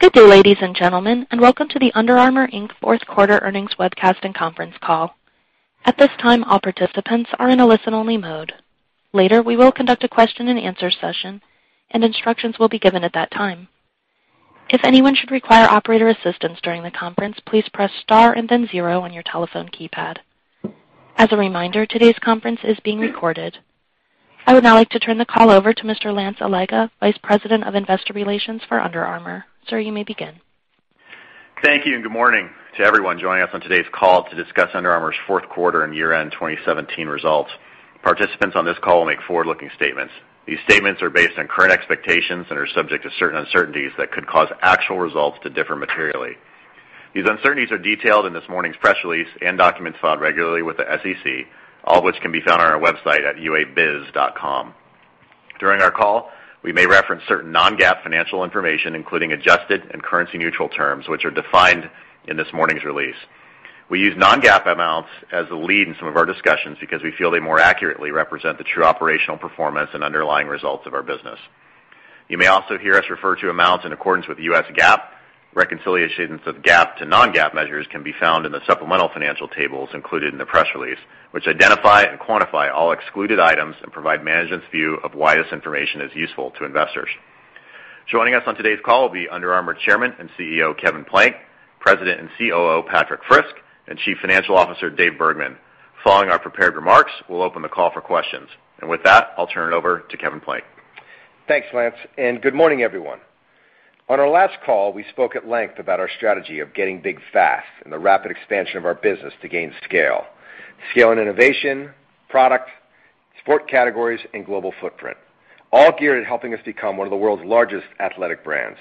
Good day, ladies and gentlemen, and welcome to the Under Armour, Inc. fourth quarter earnings webcast and conference call. At this time, all participants are in a listen-only mode. Later, we will conduct a question and answer session, and instructions will be given at that time. If anyone should require operator assistance during the conference, please press star and then zero on your telephone keypad. As a reminder, today's conference is being recorded. I would now like to turn the call over to Mr. Lance Allega, Vice President, Investor Relations for Under Armour. Sir, you may begin. Thank you. Good morning to everyone joining us on today's call to discuss Under Armour's fourth quarter and year-end 2017 results. Participants on this call will make forward-looking statements. These statements are based on current expectations and are subject to certain uncertainties that could cause actual results to differ materially. These uncertainties are detailed in this morning's press release and documents filed regularly with the SEC, all of which can be found on our website at uabiz.com. During our call, we may reference certain non-GAAP financial information, including adjusted and currency-neutral terms, which are defined in this morning's release. We use non-GAAP amounts as the lead in some of our discussions because we feel they more accurately represent the true operational performance and underlying results of our business. You may also hear us refer to amounts in accordance with U.S. GAAP. Reconciliations of GAAP to non-GAAP measures can be found in the supplemental financial tables included in the press release, which identify and quantify all excluded items and provide management's view of why this information is useful to investors. Joining us on today's call will be Under Armour Chairman and CEO, Kevin Plank; President and COO, Patrik Frisk; and Chief Financial Officer, Dave Bergman. Following our prepared remarks, we'll open the call for questions. With that, I'll turn it over to Kevin Plank. Thanks, Lance. Good morning, everyone. On our last call, we spoke at length about our strategy of getting big fast and the rapid expansion of our business to gain scale. Scale and innovation, product, sport categories, and global footprint, all geared at helping us become one of the world's largest athletic brands.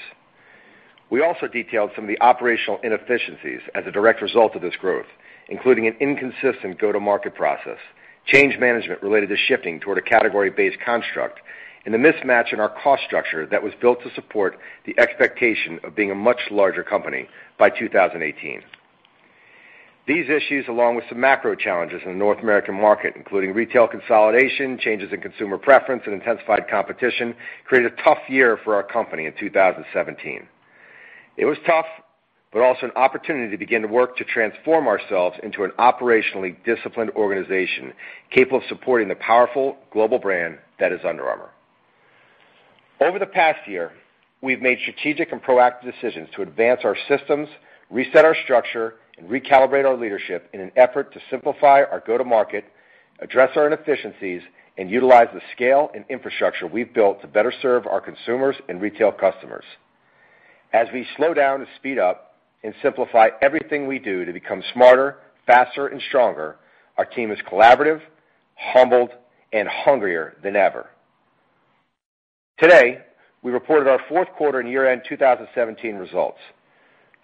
We also detailed some of the operational inefficiencies as a direct result of this growth, including an inconsistent go-to-market process, change management related to shifting toward a category-based construct, and the mismatch in our cost structure that was built to support the expectation of being a much larger company by 2018. These issues, along with some macro challenges in the North American market, including retail consolidation, changes in consumer preference, and intensified competition, created a tough year for our company in 2017. It was tough, but also an opportunity to begin the work to transform ourselves into an operationally disciplined organization capable of supporting the powerful global brand that is Under Armour. Over the past year, we've made strategic and proactive decisions to advance our systems, reset our structure, and recalibrate our leadership in an effort to simplify our go-to-market, address our inefficiencies, and utilize the scale and infrastructure we've built to better serve our consumers and retail customers. As we slow down to speed up and simplify everything we do to become smarter, faster, and stronger, our team is collaborative, humbled, and hungrier than ever. Today, we reported our fourth quarter and year-end 2017 results.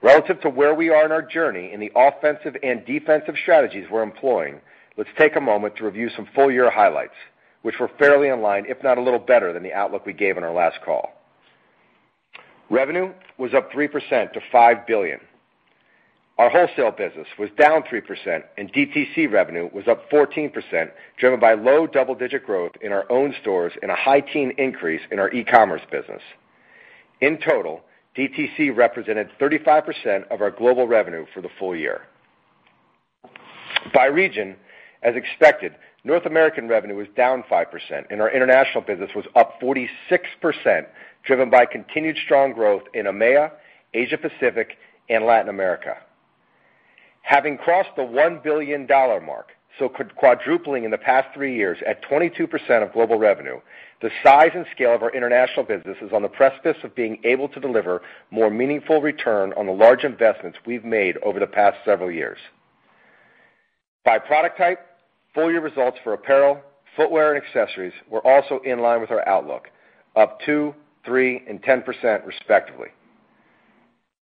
Relative to where we are in our journey in the offensive and defensive strategies we're employing, let's take a moment to review some full-year highlights, which were fairly in line, if not a little better than the outlook we gave on our last call. Revenue was up 3% to $5 billion. Our wholesale business was down 3%, and DTC revenue was up 14%, driven by low double-digit growth in our own stores and a high teen increase in our e-commerce business. In total, DTC represented 35% of our global revenue for the full year. By region, as expected, North American revenue was down 5%, and our international business was up 46%, driven by continued strong growth in EMEA, Asia Pacific, and Latin America. Having crossed the $1 billion mark, quadrupling in the past three years at 22% of global revenue, the size and scale of our international business is on the precipice of being able to deliver more meaningful return on the large investments we've made over the past several years. By product type, full-year results for apparel, footwear, and accessories were also in line with our outlook, up two, three, and 10% respectively.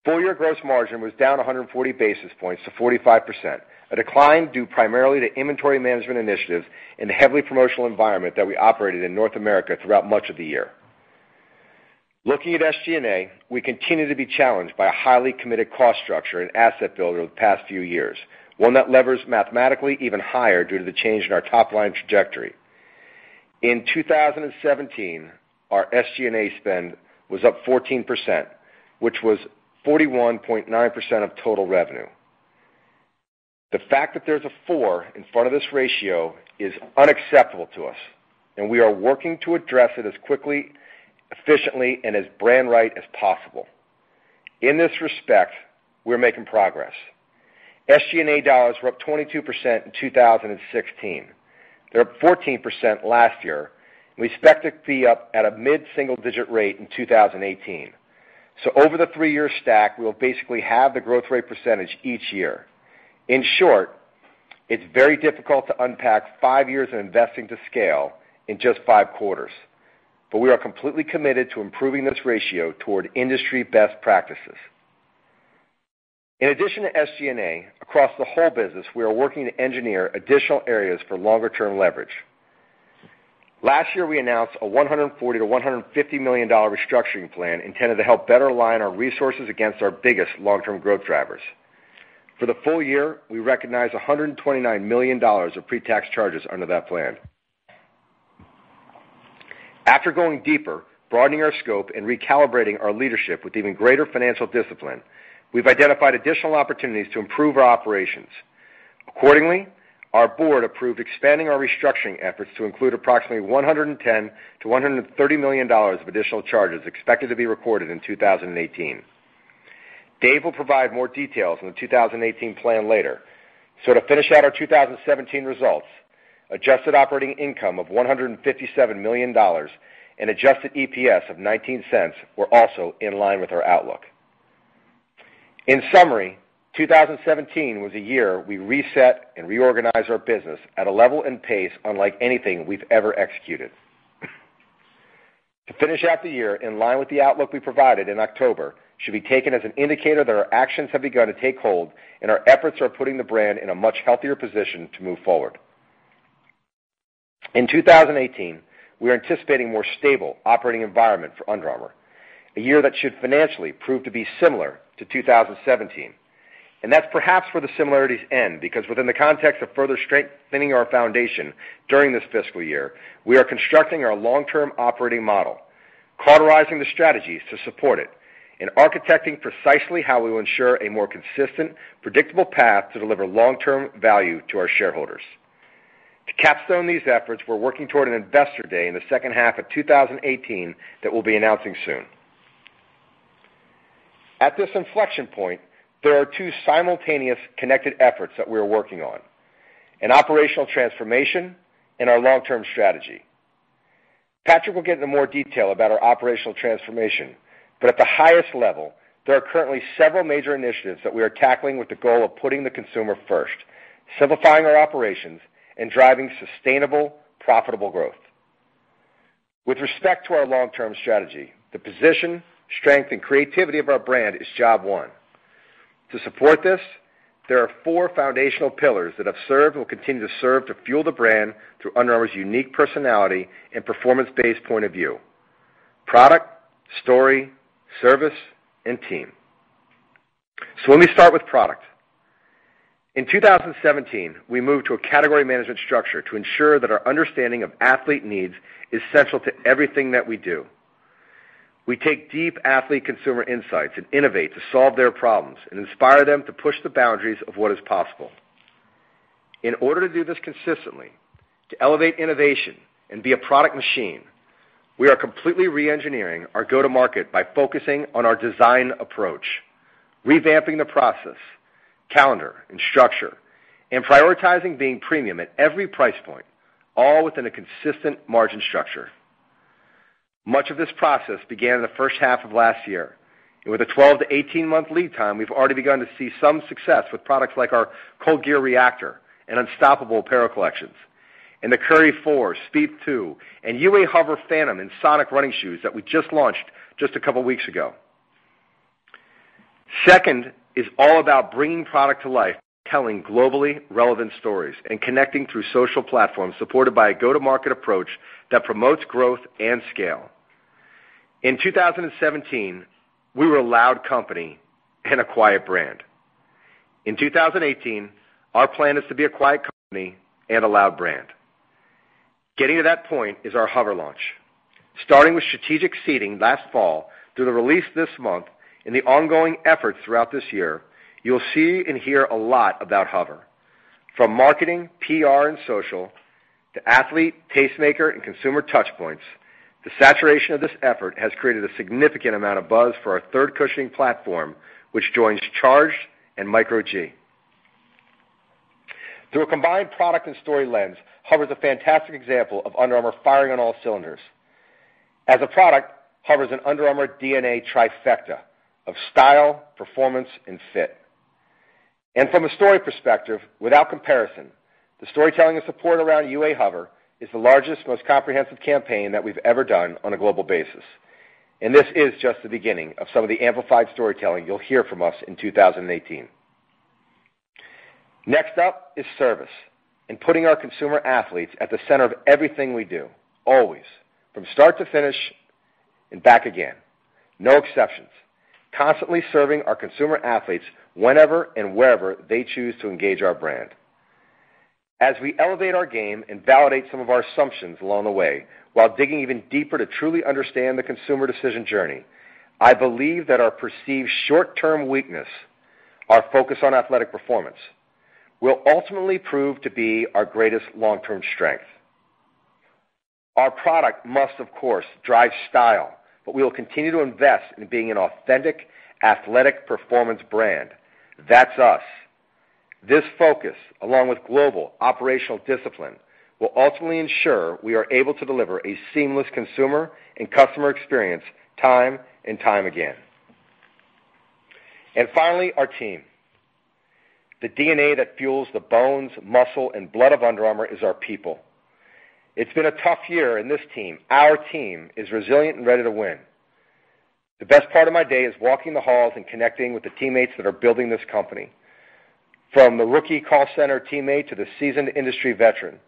Full-year gross margin was down 140 basis points to 45%, a decline due primarily to inventory management initiatives in the heavily promotional environment that we operated in North America throughout much of the year. Looking at SG&A, we continue to be challenged by a highly committed cost structure and asset build over the past few years, one that levers mathematically even higher due to the change in our top-line trajectory. In 2017, our SG&A spend was up 14%, which was 41.9% of total revenue. The fact that there's a four in front of this ratio is unacceptable to us, and we are working to address it as quickly, efficiently, and as brand right as possible. In this respect, we're making progress. SG&A dollars were up 22% in 2016. They're up 14% last year. We expect it to be up at a mid-single digit rate in 2018. Over the three-year stack, we'll basically have the growth rate percentage each year. In short, it's very difficult to unpack five years of investing to scale in just five quarters, but we are completely committed to improving this ratio toward industry best practices. In addition to SG&A, across the whole business, we are working to engineer additional areas for longer-term leverage. Last year, we announced a $140 million-$150 million restructuring plan intended to help better align our resources against our biggest long-term growth drivers. For the full year, we recognized $129 million of pre-tax charges under that plan. After going deeper, broadening our scope, and recalibrating our leadership with even greater financial discipline, we've identified additional opportunities to improve our operations. Our board approved expanding our restructuring efforts to include approximately $110 million-$130 million of additional charges expected to be recorded in 2018. Dave will provide more details on the 2018 plan later. To finish out our 2017 results, adjusted operating income of $157 million and adjusted EPS of $0.19 were also in line with our outlook. In summary, 2017 was a year we reset and reorganized our business at a level and pace unlike anything we've ever executed. To finish out the year in line with the outlook we provided in October should be taken as an indicator that our actions have begun to take hold, and our efforts are putting the brand in a much healthier position to move forward. In 2018, we are anticipating a more stable operating environment for Under Armour, a year that should financially prove to be similar to 2017. That's perhaps where the similarities end, because within the context of further strengthening our foundation during this fiscal year, we are constructing our long-term operating model, cauterizing the strategies to support it, and architecting precisely how we will ensure a more consistent, predictable path to deliver long-term value to our shareholders. To capstone these efforts, we're working toward an investor day in the second half of 2018 that we'll be announcing soon. At this inflection point, there are two simultaneous connected efforts that we're working on, an operational transformation and our long-term strategy. Patrik will get into more detail about our operational transformation, but at the highest level, there are currently several major initiatives that we are tackling with the goal of putting the consumer first, simplifying our operations, and driving sustainable, profitable growth. With respect to our long-term strategy, the position, strength, and creativity of our brand is job one. To support this, there are four foundational pillars that have served and will continue to serve to fuel the brand through Under Armour's unique personality and performance-based point of view: product, story, service, and team. Let me start with product. In 2017, we moved to a category management structure to ensure that our understanding of athlete needs is central to everything that we do. We take deep athlete consumer insights and innovate to solve their problems and inspire them to push the boundaries of what is possible. In order to do this consistently, to elevate innovation and be a product machine, we are completely re-engineering our go-to-market by focusing on our design approach, revamping the process, calendar, and structure, and prioritizing being premium at every price point, all within a consistent margin structure. Much of this process began in the first half of last year, and with a 12-18-month lead time, we've already begun to see some success with products like our ColdGear Reactor and Unstoppable apparel collections and the Curry 4, Speed two, and UA HOVR Phantom and UA HOVR Sonic running shoes that we just launched just a couple of weeks ago. Second is all about bringing product to life, telling globally relevant stories, and connecting through social platforms supported by a go-to-market approach that promotes growth and scale. In 2017, we were a loud company and a quiet brand. In 2018, our plan is to be a quiet company and a loud brand. Getting to that point is our HOVR launch. Starting with strategic seeding last fall through the release this month and the ongoing effort throughout this year, you'll see and hear a lot about HOVR. From marketing, PR, and social to athlete, tastemaker, and consumer touchpoints, the saturation of this effort has created a significant amount of buzz for our third cushioning platform, which joins Charged and Micro G. Through a combined product and story lens, HOVR is a fantastic example of Under Armour firing on all cylinders. As a product, HOVR's an Under Armour DNA trifecta of style, performance, and fit. From a story perspective, without comparison, the storytelling and support around UA HOVR is the largest, most comprehensive campaign that we've ever done on a global basis. This is just the beginning of some of the amplified storytelling you'll hear from us in 2018. Next up is service and putting our consumer athletes at the center of everything we do, always, from start to finish and back again, no exceptions. Constantly serving our consumer athletes whenever and wherever they choose to engage our brand. As we elevate our game and validate some of our assumptions along the way while digging even deeper to truly understand the consumer decision journey, I believe that our perceived short-term weakness, our focus on athletic performance, will ultimately prove to be our greatest long-term strength. Our product must, of course, drive style, but we will continue to invest in being an authentic athletic performance brand. That's us. This focus, along with global operational discipline, will ultimately ensure we are able to deliver a seamless consumer and customer experience time and time again. Finally, our team. The DNA that fuels the bones, muscle, and blood of Under Armour is our people. It's been a tough year, and this team, our team, is resilient and ready to win. The best part of my day is walking the halls and connecting with the teammates that are building this company. From the rookie call center teammate to the seasoned industry veteran.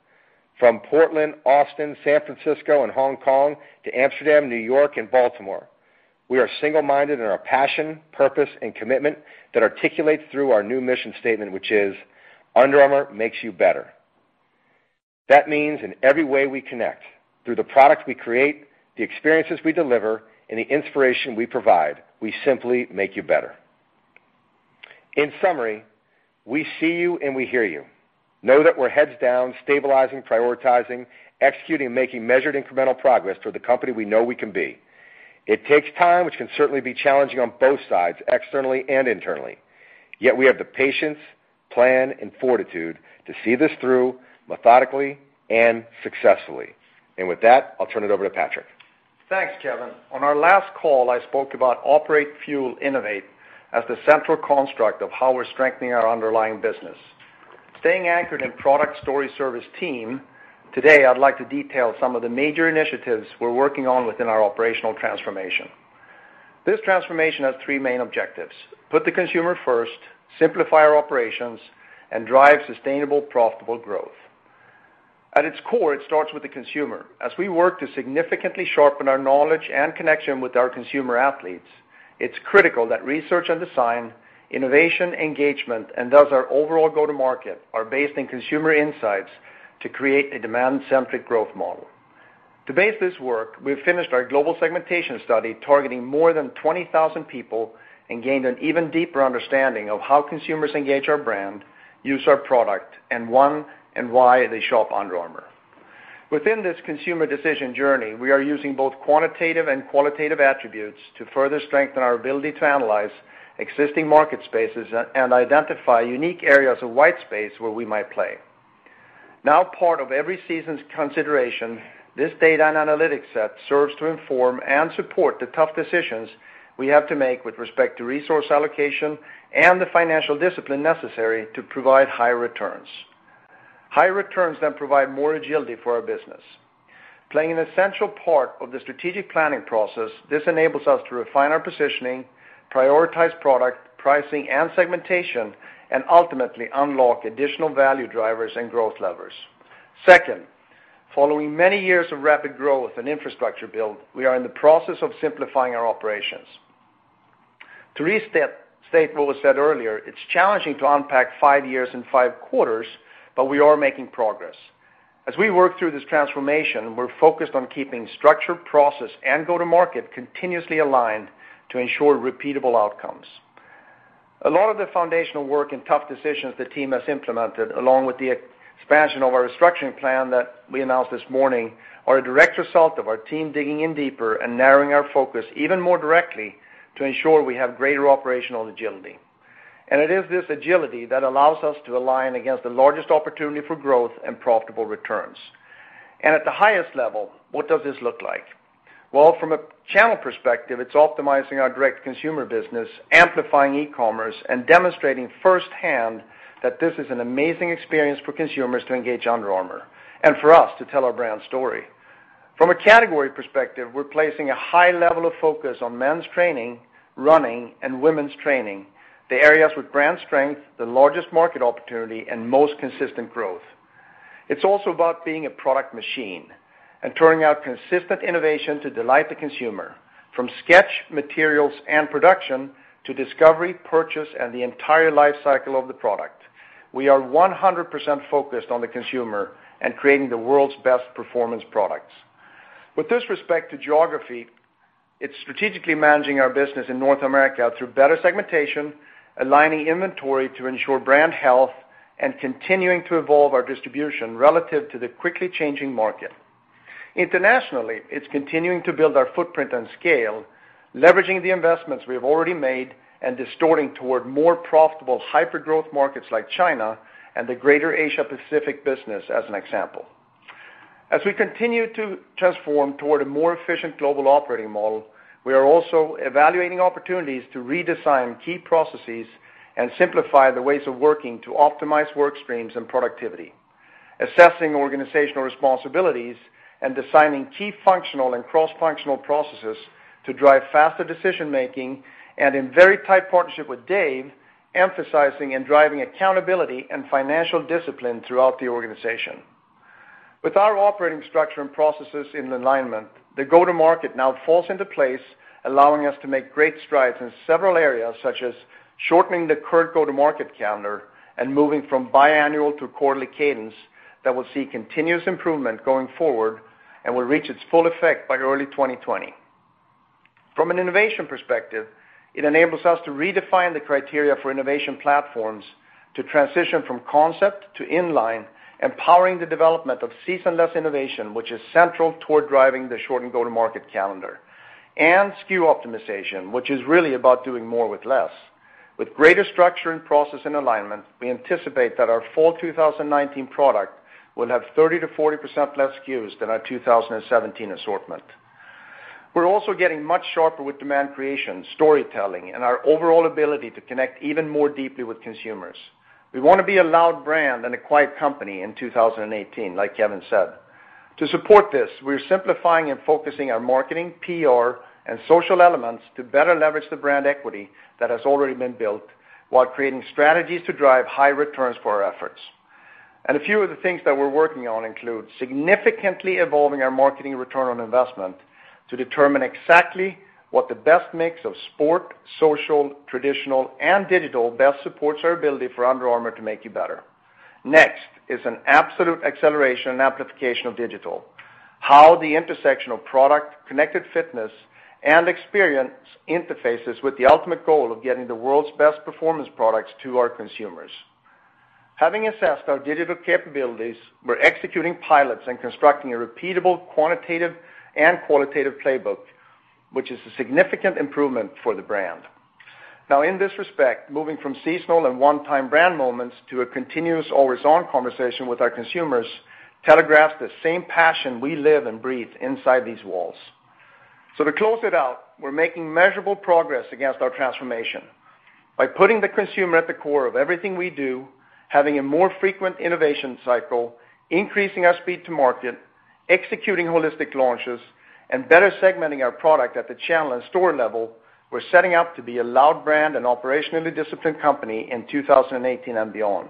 From Portland, Austin, San Francisco, and Hong Kong to Amsterdam, New York, and Baltimore. We are single-minded in our passion, purpose, and commitment that articulates through our new mission statement, which is, Under Armour makes you better. That means in every way we connect, through the products we create, the experiences we deliver, and the inspiration we provide, we simply make you better. In summary, we see you and we hear you. Know that we're heads down stabilizing, prioritizing, executing, and making measured incremental progress toward the company we know we can be. It takes time, which can certainly be challenging on both sides, externally and internally. Yet we have the patience, plan, and fortitude to see this through methodically and successfully. With that, I'll turn it over to Patrik. Thanks, Kevin. On our last call, I spoke about operate, fuel, innovate as the central construct of how we're strengthening our underlying business. Staying anchored in product story service team, today, I'd like to detail some of the major initiatives we're working on within our operational transformation. This transformation has three main objectives. Put the consumer first, simplify our operations, and drive sustainable, profitable growth. At its core, it starts with the consumer. As we work to significantly sharpen our knowledge and connection with our consumer athletes, it's critical that research and design, innovation, engagement, and thus our overall go-to-market are based in consumer insights to create a demand-centric growth model. To base this work, we've finished our global segmentation study targeting more than 20,000 people and gained an even deeper understanding of how consumers engage our brand, use our product, and when and why they shop Under Armour. Within this consumer decision journey, we are using both quantitative and qualitative attributes to further strengthen our ability to analyze existing market spaces and identify unique areas of white space where we might play. Part of every season's consideration, this data and analytics set serves to inform and support the tough decisions we have to make with respect to resource allocation and the financial discipline necessary to provide high returns. High returns provide more agility for our business. Playing an essential part of the strategic planning process, this enables us to refine our positioning, prioritize product, pricing, and segmentation, and ultimately unlock additional value drivers and growth levers. Second, following many years of rapid growth and infrastructure build, we are in the process of simplifying our operations. To restate what was said earlier, it's challenging to unpack five years in five quarters, but we are making progress. As we work through this transformation, we're focused on keeping structure, process, and go-to-market continuously aligned to ensure repeatable outcomes. A lot of the foundational work and tough decisions the team has implemented, along with the expansion of our restructuring plan that we announced this morning, are a direct result of our team digging in deeper and narrowing our focus even more directly to ensure we have greater operational agility. It is this agility that allows us to align against the largest opportunity for growth and profitable returns. At the highest level, what does this look like? Well, from a channel perspective, it's optimizing our direct-to-consumer business, amplifying e-commerce, and demonstrating firsthand that this is an amazing experience for consumers to engage Under Armour and for us to tell our brand story. From a category perspective, we're placing a high level of focus on men's training, running, and women's training, the areas with brand strength, the largest market opportunity, and most consistent growth. It's also about being a product machine and turning out consistent innovation to delight the consumer, from sketch, materials, and production, to discovery, purchase, and the entire life cycle of the product. We are 100% focused on the consumer and creating the world's best performance products. With this respect to geography, it's strategically managing our business in North America through better segmentation, aligning inventory to ensure brand health, and continuing to evolve our distribution relative to the quickly changing market. Internationally, it's continuing to build our footprint and scale, leveraging the investments we have already made, and distorting toward more profitable hyper-growth markets like China and the Greater Asia Pacific business, as an example. As we continue to transform toward a more efficient global operating model, we are also evaluating opportunities to redesign key processes and simplify the ways of working to optimize work streams and productivity, assessing organizational responsibilities, and designing key functional and cross-functional processes to drive faster decision-making, and in very tight partnership with Dave, emphasizing and driving accountability and financial discipline throughout the organization. With our operating structure and processes in alignment, the go-to-market now falls into place, allowing us to make great strides in several areas, such as shortening the current go-to-market calendar and moving from biannual to quarterly cadence that will see continuous improvement going forward and will reach its full effect by early 2020. From an innovation perspective, it enables us to redefine the criteria for innovation platforms to transition from concept to inline, empowering the development of season-less innovation, which is central toward driving the shortened go-to-market calendar, and SKU optimization, which is really about doing more with less. With greater structure and process and alignment, we anticipate that our fall 2019 product will have 30%-40% less SKUs than our 2017 assortment. We're also getting much sharper with demand creation, storytelling, and our overall ability to connect even more deeply with consumers. We want to be a loud brand and a quiet company in 2018, like Kevin said. To support this, we're simplifying and focusing our marketing, PR, and social elements to better leverage the brand equity that has already been built while creating strategies to drive high returns for our efforts. A few of the things that we're working on include significantly evolving our marketing return on investment to determine exactly what the best mix of sport, social, traditional, and digital best supports our ability for Under Armour to make you better. Next is an absolute acceleration and amplification of digital. How the intersection of product, Connected Fitness, and experience interfaces with the ultimate goal of getting the world's best performance products to our consumers. Having assessed our digital capabilities, we're executing pilots and constructing a repeatable, quantitative and qualitative playbook, which is a significant improvement for the brand. In this respect, moving from seasonal and one-time brand moments to a continuous, always-on conversation with our consumers telegraphs the same passion we live and breathe inside these walls. To close it out, we're making measurable progress against our transformation by putting the consumer at the core of everything we do, having a more frequent innovation cycle, increasing our speed to market, executing holistic launches, and better segmenting our product at the channel and store level, we're setting up to be a loud brand and operationally disciplined company in 2018 and beyond.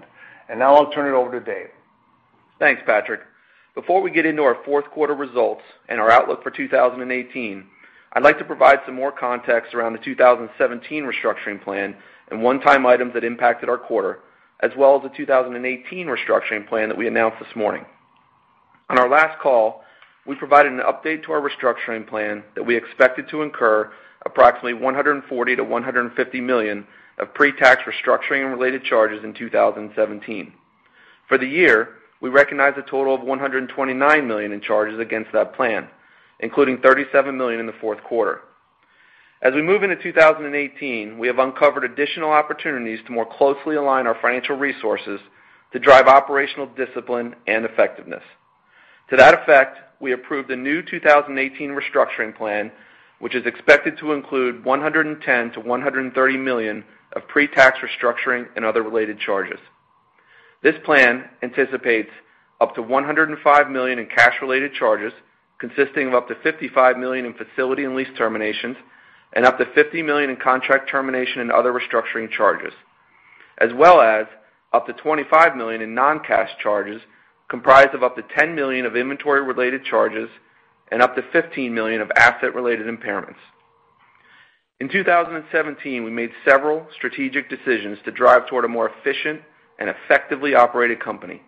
Now I'll turn it over to Dave. Thanks, Patrik. Before we get into our fourth quarter results and our outlook for 2018, I'd like to provide some more context around the 2017 restructuring plan and one-time items that impacted our quarter, as well as the 2018 restructuring plan that we announced this morning. On our last call, we provided an update to our restructuring plan that we expected to incur approximately $140 million-$150 million of pre-tax restructuring and related charges in 2017. For the year, we recognized a total of $129 million in charges against that plan, including $37 million in the fourth quarter. As we move into 2018, we have uncovered additional opportunities to more closely align our financial resources to drive operational discipline and effectiveness. To that effect, we approved a new 2018 restructuring plan, which is expected to include $110 million-$130 million of pre-tax restructuring and other related charges. This plan anticipates up to $105 million in cash-related charges, consisting of up to $55 million in facility and lease terminations and up to $50 million in contract termination and other restructuring charges, as well as up to $25 million in non-cash charges, comprised of up to $10 million of inventory-related charges and up to $15 million of asset-related impairments. In 2017, we made several strategic decisions to drive toward a more efficient and effectively operated company.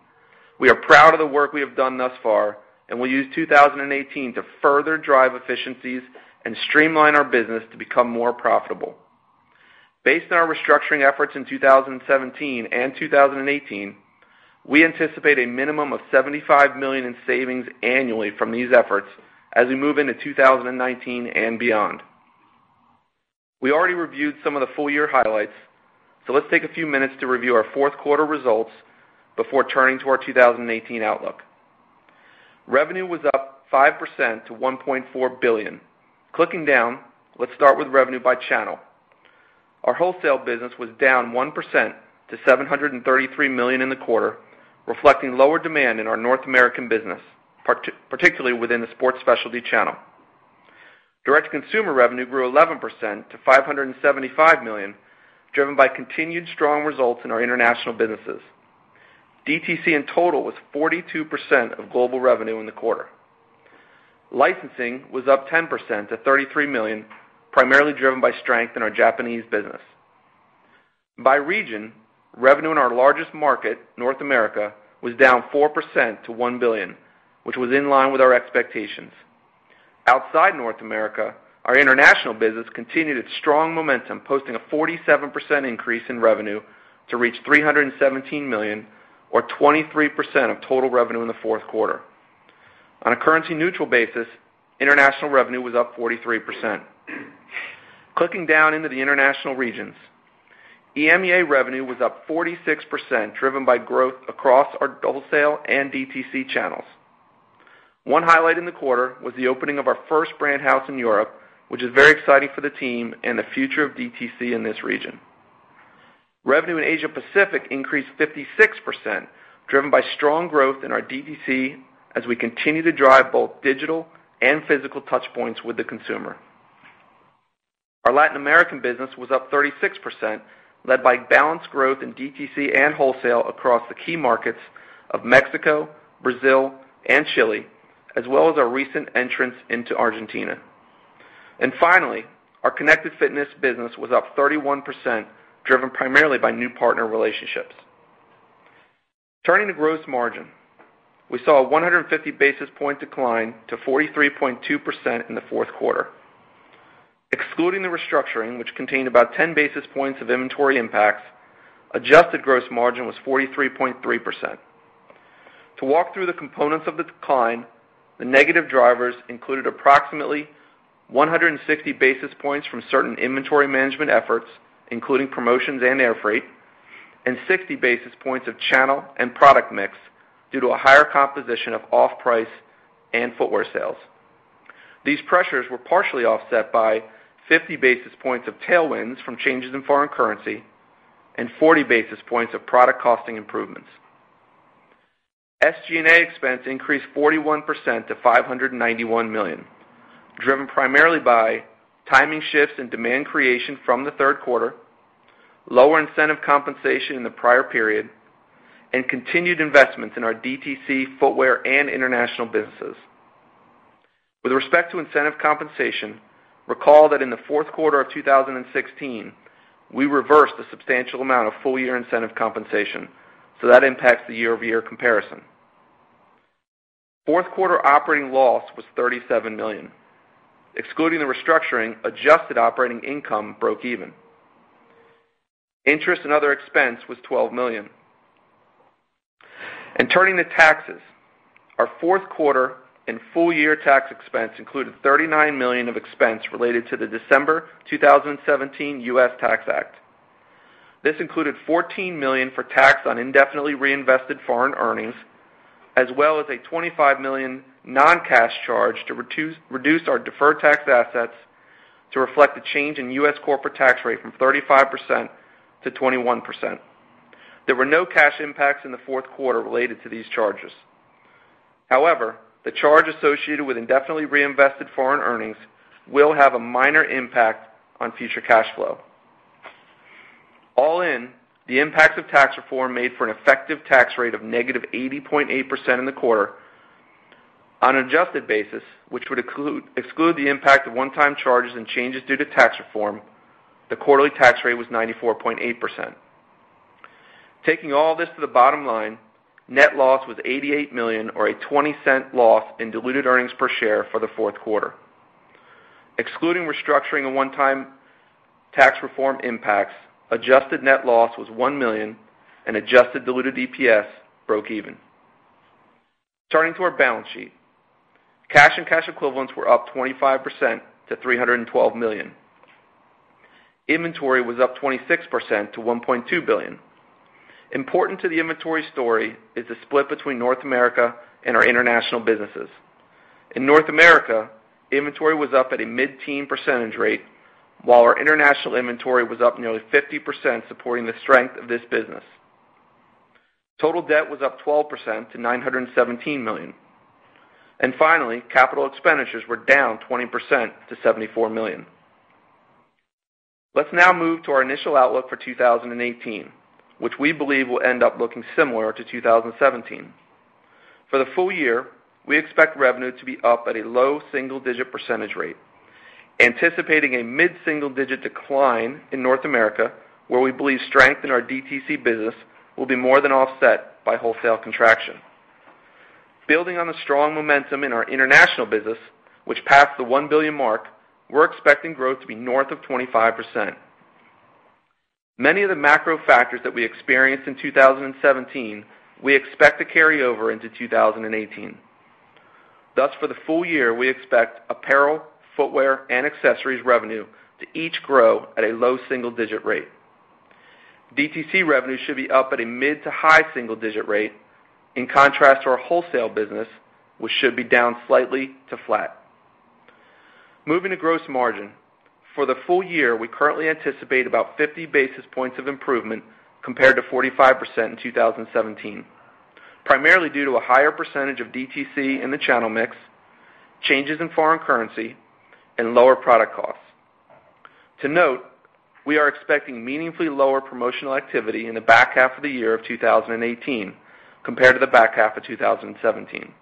We are proud of the work we have done thus far, and we'll use 2018 to further drive efficiencies and streamline our business to become more profitable. Based on our restructuring efforts in 2017 and 2018, we anticipate a minimum of $75 million in savings annually from these efforts as we move into 2019 and beyond. We already reviewed some of the full-year highlights, so let's take a few minutes to review our fourth quarter results before turning to our 2018 outlook. Revenue was up 5% to $1.4 billion. Clicking down, let's start with revenue by channel. Our wholesale business was down 1% to $733 million in the quarter, reflecting lower demand in our North American business, particularly within the sports specialty channel. Direct to consumer revenue grew 11% to $575 million, driven by continued strong results in our international businesses. DTC, in total, was 42% of global revenue in the quarter. Licensing was up 10% to $33 million, primarily driven by strength in our Japanese business. By region, revenue in our largest market, North America, was down 4% to $1 billion, which was in line with our expectations. Outside North America, our international business continued its strong momentum, posting a 47% increase in revenue to reach $317 million or 23% of total revenue in the fourth quarter. On a currency-neutral basis, international revenue was up 43%. Clicking down into the international regions, EMEA revenue was up 46%, driven by growth across our wholesale and DTC channels. One highlight in the quarter was the opening of our first brand house in Europe, which is very exciting for the team and the future of DTC in this region. Revenue in Asia-Pacific increased 56%, driven by strong growth in our DTC as we continue to drive both digital and physical touchpoints with the consumer. Our Latin American business was up 36%, led by balanced growth in DTC and wholesale across the key markets of Mexico, Brazil, and Chile, as well as our recent entrance into Argentina. Finally, our Connected Fitness business was up 31%, driven primarily by new partner relationships. Turning to gross margin, we saw a 150-basis-point decline to 43.2% in the fourth quarter. Excluding the restructuring, which contained about 10 basis points of inventory impacts, adjusted gross margin was 43.3%. To walk through the components of the decline, the negative drivers included approximately 160 basis points from certain inventory management efforts, including promotions and air freight, and 60 basis points of channel and product mix due to a higher composition of off-price and footwear sales. These pressures were partially offset by 50 basis points of tailwinds from changes in foreign currency and 40 basis points of product costing improvements. SG&A expense increased 41% to $591 million. Driven primarily by timing shifts and demand creation from the third quarter, lower incentive compensation in the prior period, and continued investments in our DTC footwear and international businesses. With respect to incentive compensation, recall that in the fourth quarter of 2016, we reversed a substantial amount of full-year incentive compensation, that impacts the year-over-year comparison. Fourth quarter operating loss was $37 million. Excluding the restructuring, adjusted operating income broke even. Interest and other expense was $12 million. Turning to taxes, our fourth quarter and full-year tax expense included $39 million of expense related to the December 2017 U.S. Tax Act. This included $14 million for tax on indefinitely reinvested foreign earnings, as well as a $25 million non-cash charge to reduce our deferred tax assets to reflect the change in U.S. corporate tax rate from 35% to 21%. There were no cash impacts in the fourth quarter related to these charges. However, the charge associated with indefinitely reinvested foreign earnings will have a minor impact on future cash flow. All in, the impacts of tax reform made for an effective tax rate of negative 80.8% in the quarter. On an adjusted basis, which would exclude the impact of one-time charges and changes due to tax reform, the quarterly tax rate was 94.8%. Taking all this to the bottom line, net loss was $88 million, or a $0.20 loss in diluted earnings per share for the fourth quarter. Excluding restructuring and one-time tax reform impacts, adjusted net loss was $1 million and adjusted diluted EPS broke even. Turning to our balance sheet. Cash and cash equivalents were up 25% to $312 million. Inventory was up 26% to $1.2 billion. Important to the inventory story is the split between North America and our international businesses. In North America, inventory was up at a mid-teen percentage rate, while our international inventory was up nearly 50%, supporting the strength of this business. Total debt was up 12% to $917 million. Finally, capital expenditures were down 20% to $74 million. Let's now move to our initial outlook for 2018, which we believe will end up looking similar to 2017. For the full-year, we expect revenue to be up at a low single-digit percentage rate, anticipating a mid-single-digit decline in North America, where we believe strength in our DTC business will be more than offset by wholesale contraction. Building on the strong momentum in our international business, which passed the $1 billion mark, we're expecting growth to be north of 25%. Many of the macro factors that we experienced in 2017, we expect to carry over into 2018. For the full year, we expect apparel, footwear, and accessories revenue to each grow at a low single-digit rate. DTC revenue should be up at a mid to high single-digit rate, in contrast to our wholesale business, which should be down slightly to flat. Moving to gross margin. For the full year, we currently anticipate about 50 basis points of improvement compared to 45% in 2017, primarily due to a higher percentage of DTC in the channel mix, changes in foreign currency, and lower product costs. We are expecting meaningfully lower promotional activity in the back half of the year of 2018 compared to the back half of 2017.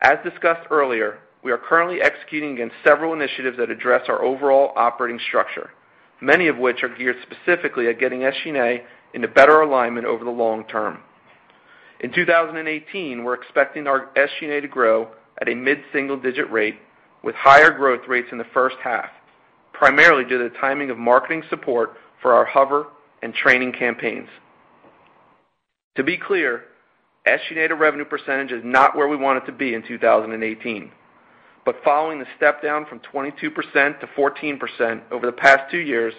As discussed earlier, we are currently executing against several initiatives that address our overall operating structure, many of which are geared specifically at getting SG&A into better alignment over the long term. In 2018, we're expecting our SG&A to grow at a mid-single-digit rate with higher growth rates in the first half, primarily due to the timing of marketing support for our HOVR and training campaigns. SG&A to revenue percentage is not where we want it to be in 2018. Following the step-down from 22% to 14% over the past two years,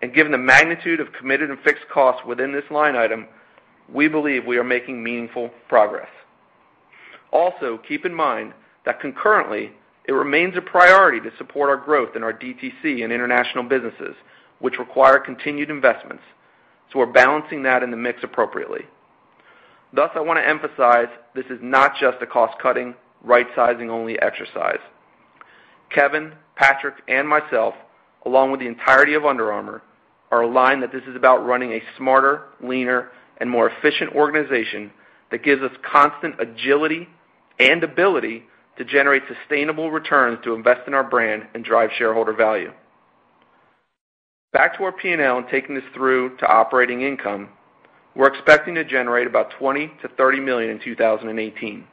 and given the magnitude of committed and fixed costs within this line item, we believe we are making meaningful progress. Keep in mind that concurrently, it remains a priority to support our growth in our DTC and international businesses, which require continued investments, so we're balancing that in the mix appropriately. I want to emphasize this is not just a cost-cutting, right-sizing only exercise. Kevin, Patrik, and myself, along with the entirety of Under Armour, are aligned that this is about running a smarter, leaner, and more efficient organization that gives us constant agility and ability to generate sustainable returns to invest in our brand and drive shareholder value. Back to our P&L and taking this through to operating income, we're expecting to generate about $20 million to $30 million in 2018.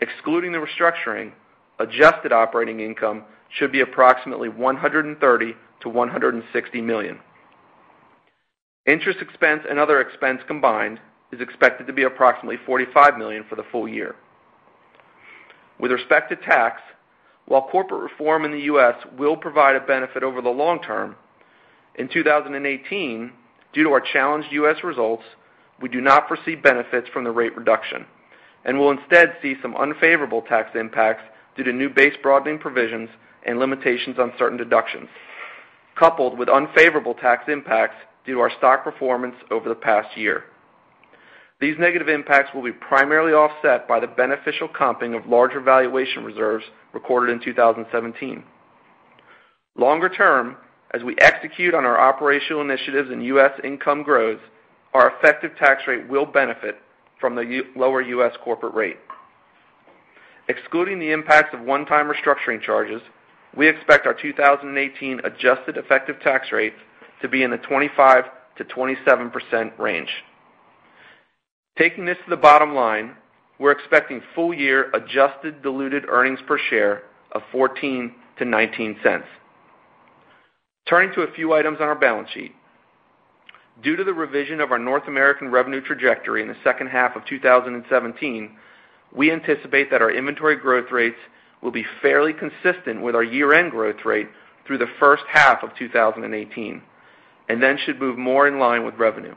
Excluding the restructuring, adjusted operating income should be approximately $130 million to $160 million. Interest expense and other expense combined is expected to be approximately $45 million for the full year. With respect to tax, while corporate reform in the U.S. will provide a benefit over the long term, in 2018, due to our challenged U.S. results, we do not foresee benefits from the rate reduction and will instead see some unfavorable tax impacts due to new base broadening provisions and limitations on certain deductions, coupled with unfavorable tax impacts due to our stock performance over the past year. These negative impacts will be primarily offset by the beneficial comping of larger valuation reserves recorded in 2017. Longer term, as we execute on our operational initiatives and U.S. income grows, our effective tax rate will benefit from the lower U.S. corporate rate. Excluding the impacts of one-time restructuring charges, we expect our 2018 adjusted effective tax rate to be in the 25%-27% range. Taking this to the bottom line, we're expecting full year adjusted diluted earnings per share of $0.14-$0.19. Turning to a few items on our balance sheet. Due to the revision of our North American revenue trajectory in the second half of 2017, we anticipate that our inventory growth rates will be fairly consistent with our year-end growth rate through the first half of 2018, then should move more in line with revenue.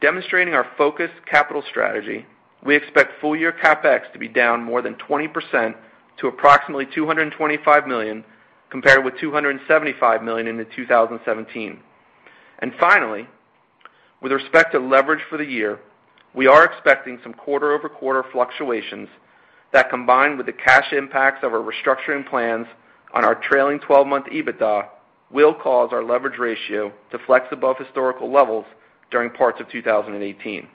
Demonstrating our focused capital strategy, we expect full year CapEx to be down more than 20% to approximately $225 million, compared with $275 million in 2017. Finally, with respect to leverage for the year, we are expecting some quarter-over-quarter fluctuations that, combined with the cash impacts of our restructuring plans on our trailing 12-month EBITDA, will cause our leverage ratio to flex above historical levels during parts of 2018.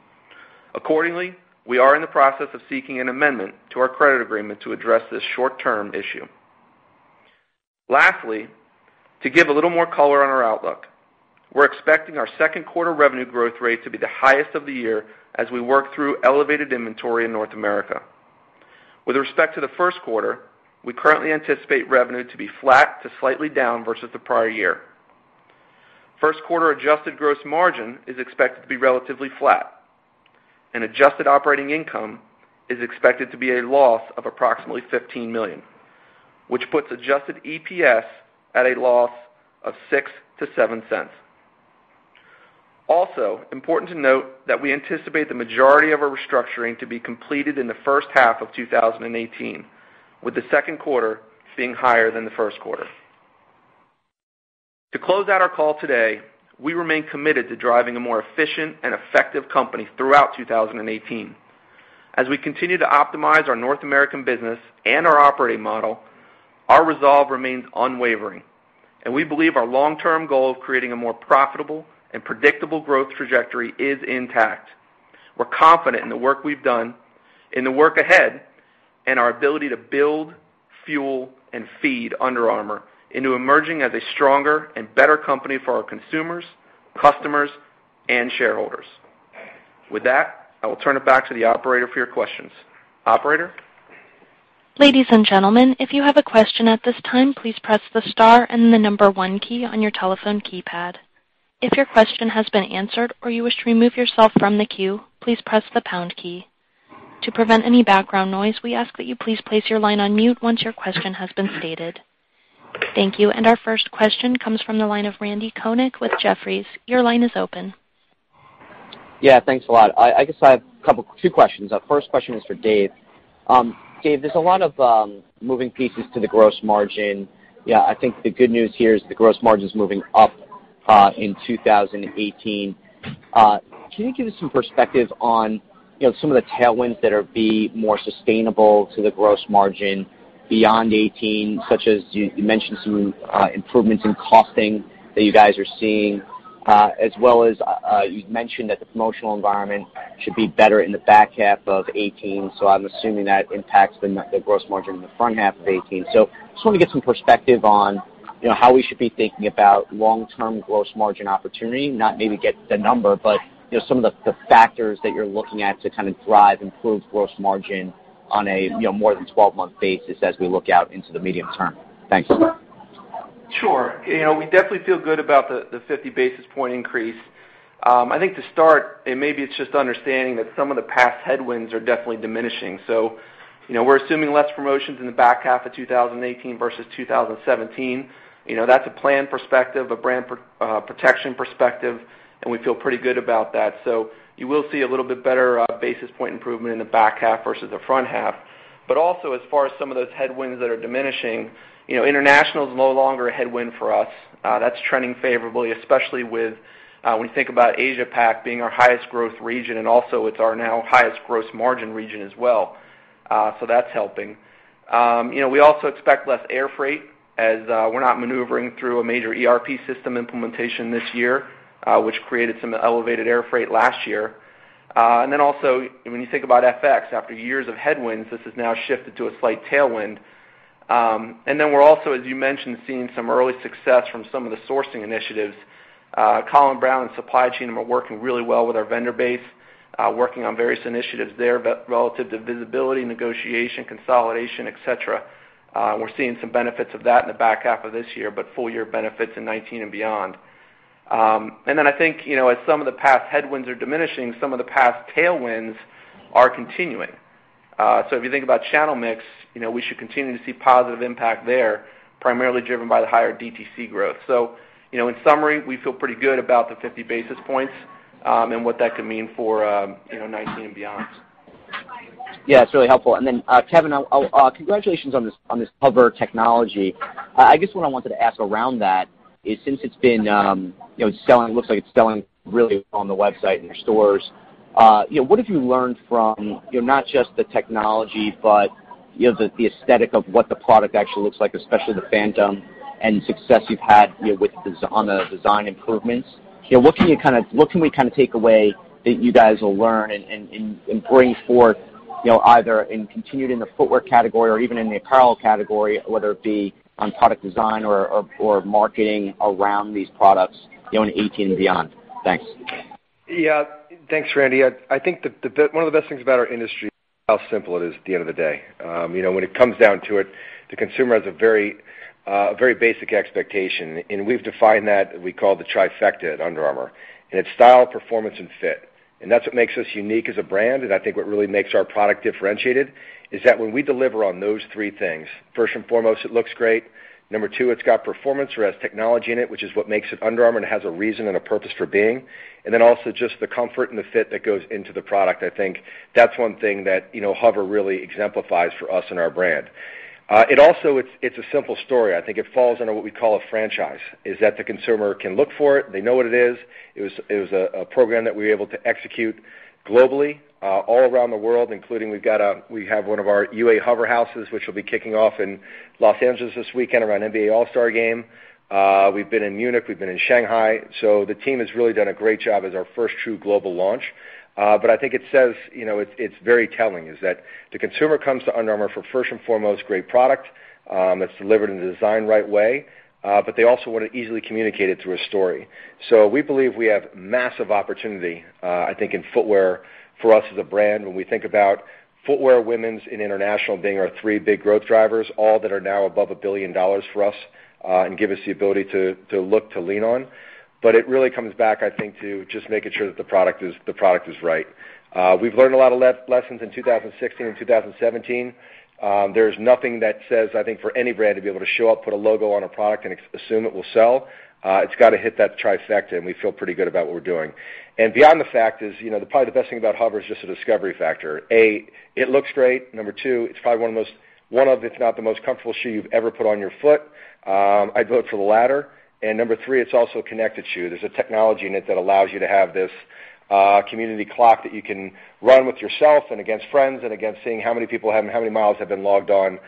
Accordingly, we are in the process of seeking an amendment to our credit agreement to address this short-term issue. Lastly, to give a little more color on our outlook, we're expecting our second quarter revenue growth rate to be the highest of the year as we work through elevated inventory in North America. With respect to the first quarter, we currently anticipate revenue to be flat to slightly down versus the prior year. First quarter adjusted gross margin is expected to be relatively flat, and adjusted operating income is expected to be a loss of approximately $15 million, which puts adjusted EPS at a loss of $0.06-$0.07. Also important to note that we anticipate the majority of our restructuring to be completed in the first half of 2018, with the second quarter being higher than the first quarter. To close out our call today, we remain committed to driving a more efficient and effective company throughout 2018. As we continue to optimize our North American business and our operating model, our resolve remains unwavering, and we believe our long-term goal of creating a more profitable and predictable growth trajectory is intact. We're confident in the work we've done, in the work ahead, and our ability to build, fuel, and feed Under Armour into emerging as a stronger and better company for our consumers, customers, and shareholders. With that, I will turn it back to the operator for your questions. Operator? Ladies and gentlemen, if you have a question at this time, please press the star and the number one key on your telephone keypad. If your question has been answered or you wish to remove yourself from the queue, please press the pound key. To prevent any background noise, we ask that you please place your line on mute once your question has been stated. Thank you. Our first question comes from the line of Randy Konik with Jefferies. Your line is open. Yeah, thanks a lot. I guess I have two questions. First question is for Dave. Dave, there's a lot of moving pieces to the gross margin. I think the good news here is the gross margin's moving up in 2018. Can you give us some perspective on some of the tailwinds that would be more sustainable to the gross margin beyond 2018, such as you mentioned some improvements in costing that you guys are seeing, as well as you mentioned that the promotional environment should be better in the back half of 2018, so I'm assuming that impacts the gross margin in the front half of 2018. Just want to get some perspective on how we should be thinking about long-term gross margin opportunity. Not maybe get the number, but some of the factors that you're looking at to drive improved gross margin on a more than 12-month basis as we look out into the medium term. Thanks. Sure. We definitely feel good about the 50 basis point increase. I think to start, and maybe it's just understanding that some of the past headwinds are definitely diminishing. We're assuming less promotions in the back half of 2018 versus 2017. That's a plan perspective, a brand protection perspective, and we feel pretty good about that. You will see a little bit better basis point improvement in the back half versus the front half. As far as some of those headwinds that are diminishing, international is no longer a headwind for us. That's trending favorably, especially when you think about Asia-Pac being our highest growth region, and also it's our now highest gross margin region as well. That's helping. We also expect less air freight as we're not maneuvering through a major ERP system implementation this year, which created some elevated air freight last year. When you think about FX, after years of headwinds, this has now shifted to a slight tailwind. We're also, as you mentioned, seeing some early success from some of the sourcing initiatives. Colin Browne and supply chain are working really well with our vendor base, working on various initiatives there relative to visibility, negotiation, consolidation, et cetera. We're seeing some benefits of that in the back half of this year, but full-year benefits in 2019 and beyond. I think, as some of the past headwinds are diminishing, some of the past tailwinds are continuing. If you think about channel mix, we should continue to see positive impact there, primarily driven by the higher DTC growth. In summary, we feel pretty good about the 50 basis points and what that could mean for 2019 and beyond. Yeah, it's really helpful. Kevin, congratulations on this HOVR technology. I guess what I wanted to ask around that is, since it looks like it's selling really well on the website, in your stores, what have you learned from not just the technology but the aesthetic of what the product actually looks like, especially the Phantom, and success you've had on the design improvements? What can we take away that you guys will learn and bring forth either in continued in the footwear category or even in the apparel category, whether it be on product design or marketing around these products in 2018 and beyond? Thanks. Yeah. Thanks, Randy. I think one of the best things about our industry, how simple it is at the end of the day. When it comes down to it, the consumer has a very basic expectation, we've defined that, we call the trifecta at Under Armour, it's style, performance, and fit. That's what makes us unique as a brand, and I think what really makes our product differentiated is that when we deliver on those three things, first and foremost, it looks great. Number two, it's got performance or has technology in it, which is what makes it Under Armour and has a reason and a purpose for being. Also just the comfort and the fit that goes into the product. I think that's one thing that HOVR really exemplifies for us and our brand. It's a simple story. I think it falls under what we call a franchise, is that the consumer can look for it. They know what it is. It was a program that we were able to execute globally, all around the world, including we have one of our UA HOVR House, which will be kicking off in L.A. this weekend around NBA All-Star Game. We've been in Munich, we've been in Shanghai. The team has really done a great job as our first true global launch. I think it's very telling, is that the consumer comes to Under Armour for, first and foremost, great product that's delivered in the design right way. They also want it easily communicated through a story. We believe we have massive opportunity, I think, in footwear for us as a brand when we think about footwear, women's, and international being our three big growth drivers, all that are now above $1 billion for us, give us the ability to look to lean on. It really comes back, I think, to just making sure that the product is right. We've learned a lot of lessons in 2016 and 2017. There's nothing that says, I think, for any brand to be able to show up, put a logo on a product, assume it will sell. It's got to hit that trifecta, we feel pretty good about what we're doing. Beyond the fact is, probably the best thing about HOVR is just the discovery factor. A, it looks great. Number two, it's probably one of, if not the most comfortable shoe you've ever put on your foot. I'd vote for the latter. Number three, it's also a connected shoe. There's a technology in it that allows you to have this community clock that you can run with yourself and against friends, and against seeing how many people have and how many miles have been logged on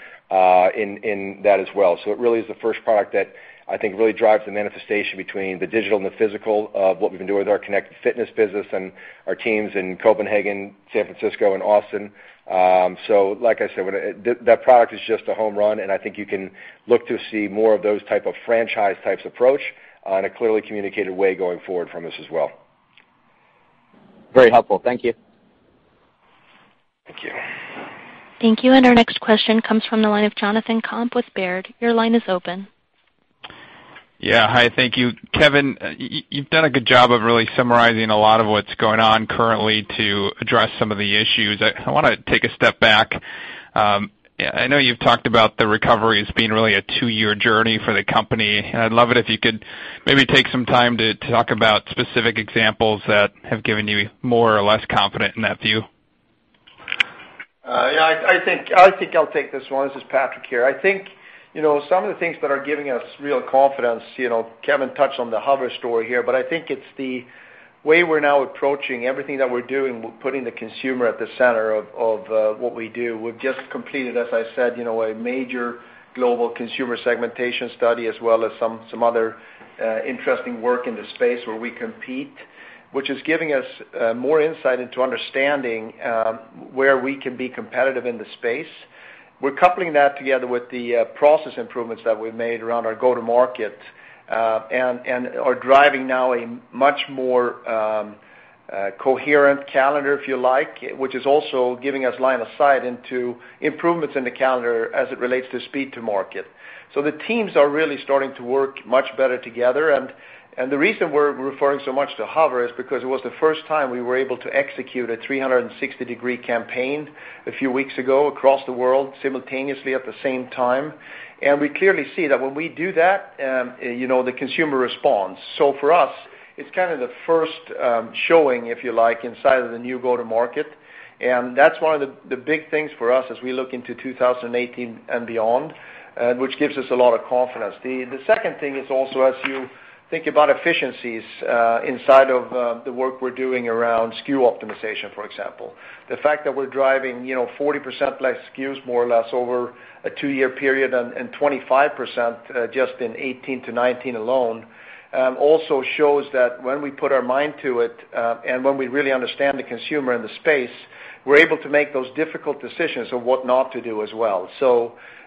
in that as well. It really is the first product that I think really drives the manifestation between the digital and the physical of what we've been doing with our Connected Fitness business and our teams in Copenhagen, San Francisco, and Austin. Like I said, that product is just a home run, and I think you can look to see more of those type of franchise types approach on a clearly communicated way going forward from this as well. Very helpful. Thank you. Thank you. Thank you. Our next question comes from the line of Jonathan Komp with Baird. Your line is open. Yeah. Hi, thank you. Kevin, you've done a good job of really summarizing a lot of what's going on currently to address some of the issues. I want to take a step back. I know you've talked about the recovery as being really a two-year journey for the company, and I'd love it if you could maybe take some time to talk about specific examples that have given you more or less confident in that view. Yeah, I think I'll take this one. This is Patrik here. I think some of the things that are giving us real confidence, Kevin touched on the HOVR story here, I think it's the way we're now approaching everything that we're doing, we're putting the consumer at the center of what we do. We've just completed, as I said, a major global consumer segmentation study, as well as some other interesting work in the space where we compete, which is giving us more insight into understanding where we can be competitive in the space. We're coupling that together with the process improvements that we've made around our go-to-market, are driving now a much more coherent calendar, if you like, which is also giving us line of sight into improvements in the calendar as it relates to speed to market. The teams are really starting to work much better together, the reason we're referring so much to HOVR is because it was the first time we were able to execute a 360-degree campaign a few weeks ago across the world simultaneously at the same time. We clearly see that when we do that, the consumer responds. For us, it's kind of the first showing, if you like, inside of the new go-to-market. That's one of the big things for us as we look into 2018 and beyond, which gives us a lot of confidence. The second thing is also as you think about efficiencies inside of the work we're doing around SKU optimization, for example. The fact that we're driving 40% less SKUs, more or less, over a two-year period and 25% just in 2018 to 2019 alone, also shows that when we put our mind to it, and when we really understand the consumer and the space, we're able to make those difficult decisions of what not to do as well.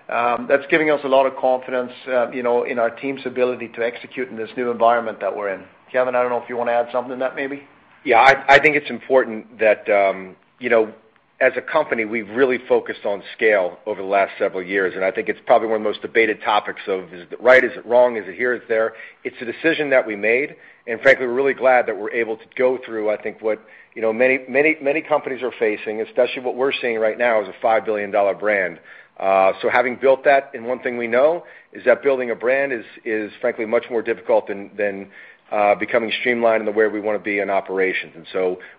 That's giving us a lot of confidence in our team's ability to execute in this new environment that we're in. Kevin, I don't know if you want to add something to that, maybe. I think it's important. As a company, we've really focused on scale over the last several years. I think it's probably one of the most debated topics of, is it right? Is it wrong? Is it here? Is it there? It's a decision that we made. Frankly, we're really glad that we're able to go through, I think, what many companies are facing, especially what we're seeing right now as a $5 billion brand. Having built that, one thing we know is that building a brand is frankly much more difficult than becoming streamlined in the way we want to be in operations.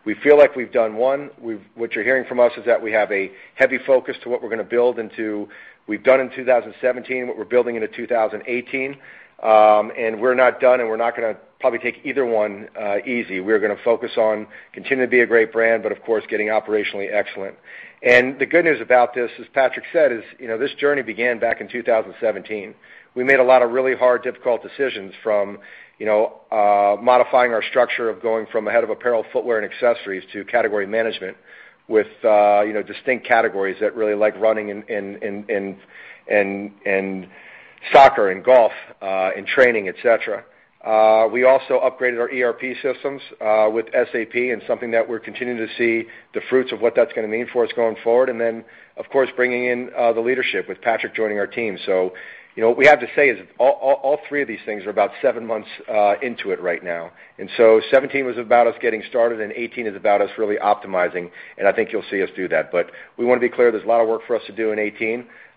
We feel like we've done one. What you're hearing from us is that we have a heavy focus to what we're going to build into. We've done in 2017 and what we're building into 2018. We're not done, we're not going to probably take either one easy. We're going to focus on continuing to be a great brand, of course, getting operationally excellent. The good news about this, as Patrik said, is this journey began back in 2017. We made a lot of really hard, difficult decisions, from modifying our structure of going from a head of apparel, footwear, and accessories to category management with distinct categories that really like running and soccer and golf, and training, et cetera. We also upgraded our ERP systems with SAP and something that we're continuing to see the fruits of what that's going to mean for us going forward. Of course, bringing in the leadership with Patrik joining our team. What we have to say is all three of these things are about seven months into it right now. '17 was about us getting started, '18 is about us really optimizing, I think you'll see us do that. We want to be clear, there's a lot of work for us to do in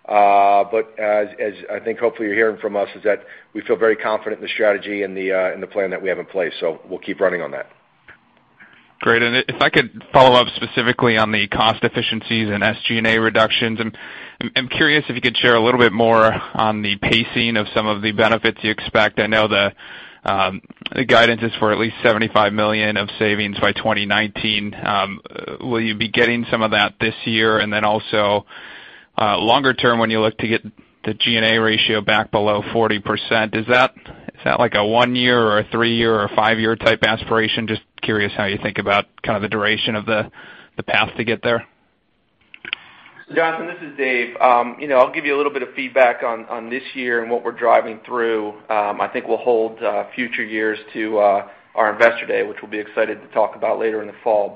'18. As I think hopefully you're hearing from us is that we feel very confident in the strategy and the plan that we have in place. We'll keep running on that. Great. If I could follow up specifically on the cost efficiencies and SG&A reductions, I'm curious if you could share a little bit more on the pacing of some of the benefits you expect. I know the guidance is for at least $75 million of savings by 2019. Will you be getting some of that this year? Also, longer term, when you look to get the G&A ratio back below 40%, is that like a one-year or a three-year or a five-year type aspiration? Just curious how you think about the duration of the path to get there. Jonathan, this is Dave. I'll give you a little bit of feedback on this year and what we're driving through. I think we'll hold future years to our investor day, which we'll be excited to talk about later in the fall.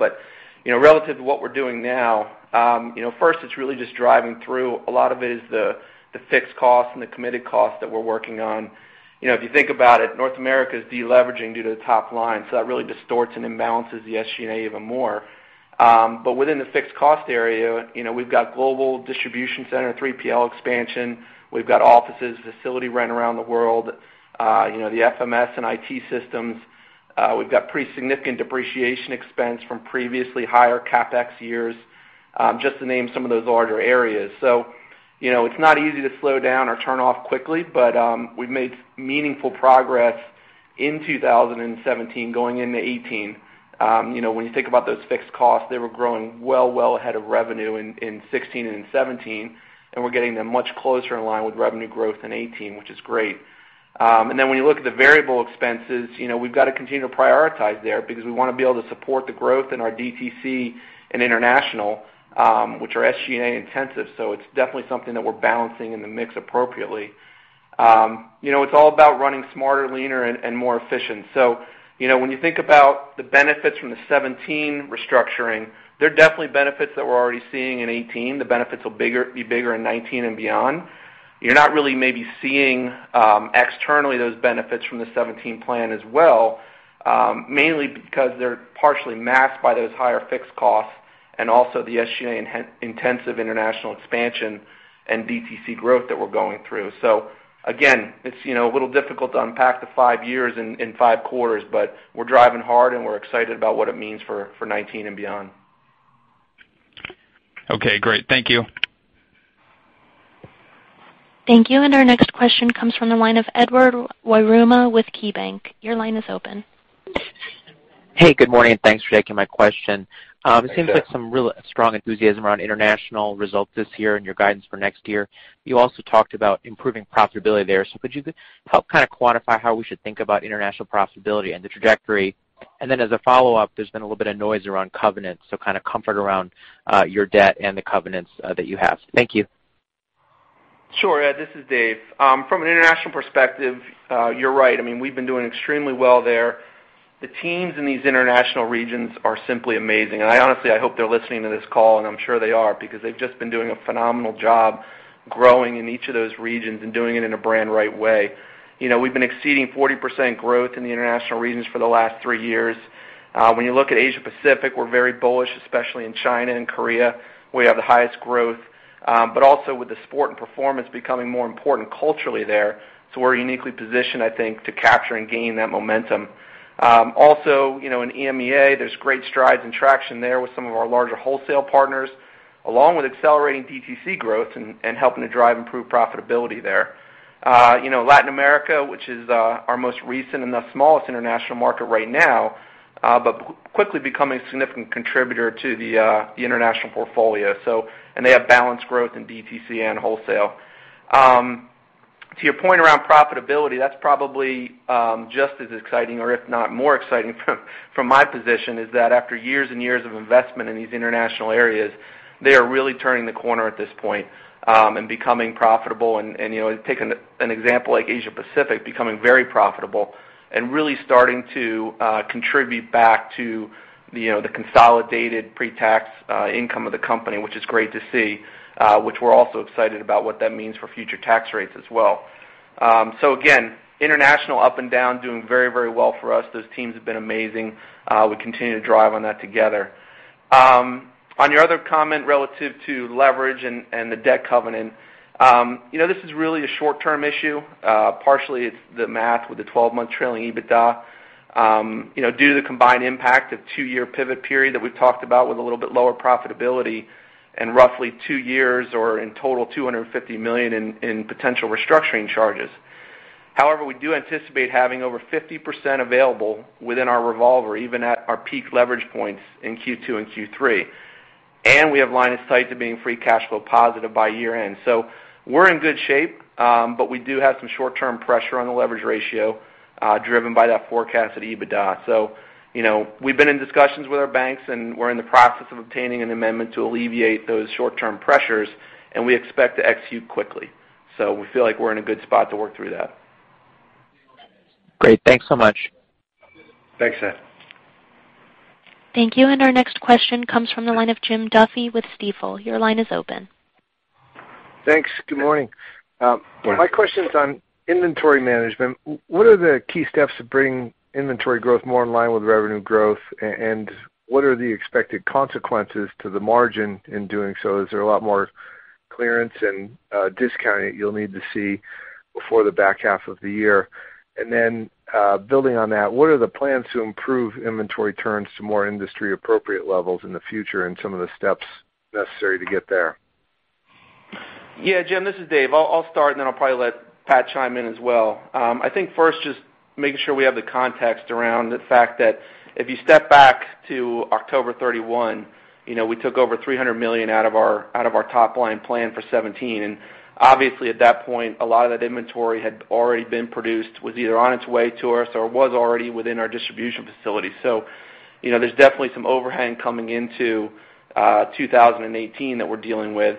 Relative to what we're doing now, first it's really just driving through. A lot of it is the fixed cost and the committed cost that we're working on. If you think about it, North America is de-leveraging due to the top line, that really distorts and imbalances the SG&A even more. Within the fixed cost area, we've got global distribution center, 3PL expansion. We've got offices, facility rent around the world, the FMS and IT systems. We've got pretty significant depreciation expense from previously higher CapEx years, just to name some of those larger areas. It's not easy to slow down or turn off quickly, but we've made meaningful progress in 2017 going into 2018. When you think about those fixed costs, they were growing well ahead of revenue in 2016 and in 2017, we're getting them much closer in line with revenue growth in 2018, which is great. When you look at the variable expenses, we've got to continue to prioritize there because we want to be able to support the growth in our DTC and international, which are SG&A intensive. It's definitely something that we're balancing in the mix appropriately. It's all about running smarter, leaner, and more efficient. When you think about the benefits from the 2017 restructuring, they're definitely benefits that we're already seeing in 2018. The benefits will be bigger in 2019 and beyond. You're not really maybe seeing externally those benefits from the 2017 plan as well, mainly because they're partially masked by those higher fixed costs and also the SG&A intensive international expansion and DTC growth that we're going through. It's a little difficult to unpack the five years in five quarters, but we're driving hard, we're excited about what it means for 2019 and beyond. Okay, great. Thank you. Thank you. Our next question comes from the line of Edward Yruma with KeyBanc. Your line is open. Hey, good morning. Thanks for taking my question. Hey, Ed. It seems like some real strong enthusiasm around international results this year and your guidance for next year. You also talked about improving profitability there. Could you help quantify how we should think about international profitability and the trajectory? As a follow-up, there's been a little bit of noise around covenants, comfort around your debt and the covenants that you have. Thank you. Sure, Ed. This is Dave. From an international perspective, you're right. I mean, we've been doing extremely well there. The teams in these international regions are simply amazing. I honestly, I hope they're listening to this call, and I'm sure they are because they've just been doing a phenomenal job growing in each of those regions and doing it in a brand-right way. We've been exceeding 40% growth in the international regions for the last three years. When you look at Asia Pacific, we're very bullish, especially in China and Korea, where we have the highest growth. Also with the sport and performance becoming more important culturally there. We're uniquely positioned, I think, to capture and gain that momentum. Also in EMEA, there's great strides and traction there with some of our larger wholesale partners, along with accelerating DTC growth and helping to drive improved profitability there. Latin America, which is our most recent and the smallest international market right now, but quickly becoming a significant contributor to the international portfolio. They have balanced growth in DTC and wholesale. To your point around profitability, that's probably just as exciting or if not more exciting from my position, is that after years and years of investment in these international areas, they are really turning the corner at this point, and becoming profitable and, take an example like Asia Pacific, becoming very profitable and really starting to contribute back to the consolidated pre-tax income of the company, which is great to see, which we're also excited about what that means for future tax rates as well. Again, international up and down doing very, very well for us. Those teams have been amazing. We continue to drive on that together. On your other comment relative to leverage and the debt covenant. This is really a short-term issue. Partially it's the math with the 12-month trailing EBITDA. Due to the combined impact of two-year pivot period that we've talked about with a little bit lower profitability and roughly two years or in total, $250 million in potential restructuring charges. However, we do anticipate having over 50% available within our revolver, even at our peak leverage points in Q2 and Q3. We have line of sight to being free cash flow positive by year-end. We're in good shape, but we do have some short-term pressure on the leverage ratio, driven by that forecast at EBITDA. We've been in discussions with our banks, and we're in the process of obtaining an amendment to alleviate those short-term pressures, and we expect to execute quickly. We feel like we're in a good spot to work through that. Great. Thanks so much. Thanks, Ed. Thank you. Our next question comes from the line of Jim Duffy with Stifel. Your line is open. Thanks. Good morning. Good morning. My question's on inventory management. What are the key steps to bring inventory growth more in line with revenue growth, and what are the expected consequences to the margin in doing so? Is there a lot more clearance and discounting that you'll need to see before the back half of the year? Building on that, what are the plans to improve inventory turns to more industry appropriate levels in the future and some of the steps necessary to get there? Jim, this is Dave. I'll start, and then I'll probably let Patrik chime in as well. I think first, just making sure we have the context around the fact that if you step back to October 31, we took over $300 million out of our top-line plan for 2017. Obviously at that point, a lot of that inventory had already been produced, was either on its way to us or was already within our distribution facility. There's definitely some overhang coming into 2018 that we're dealing with.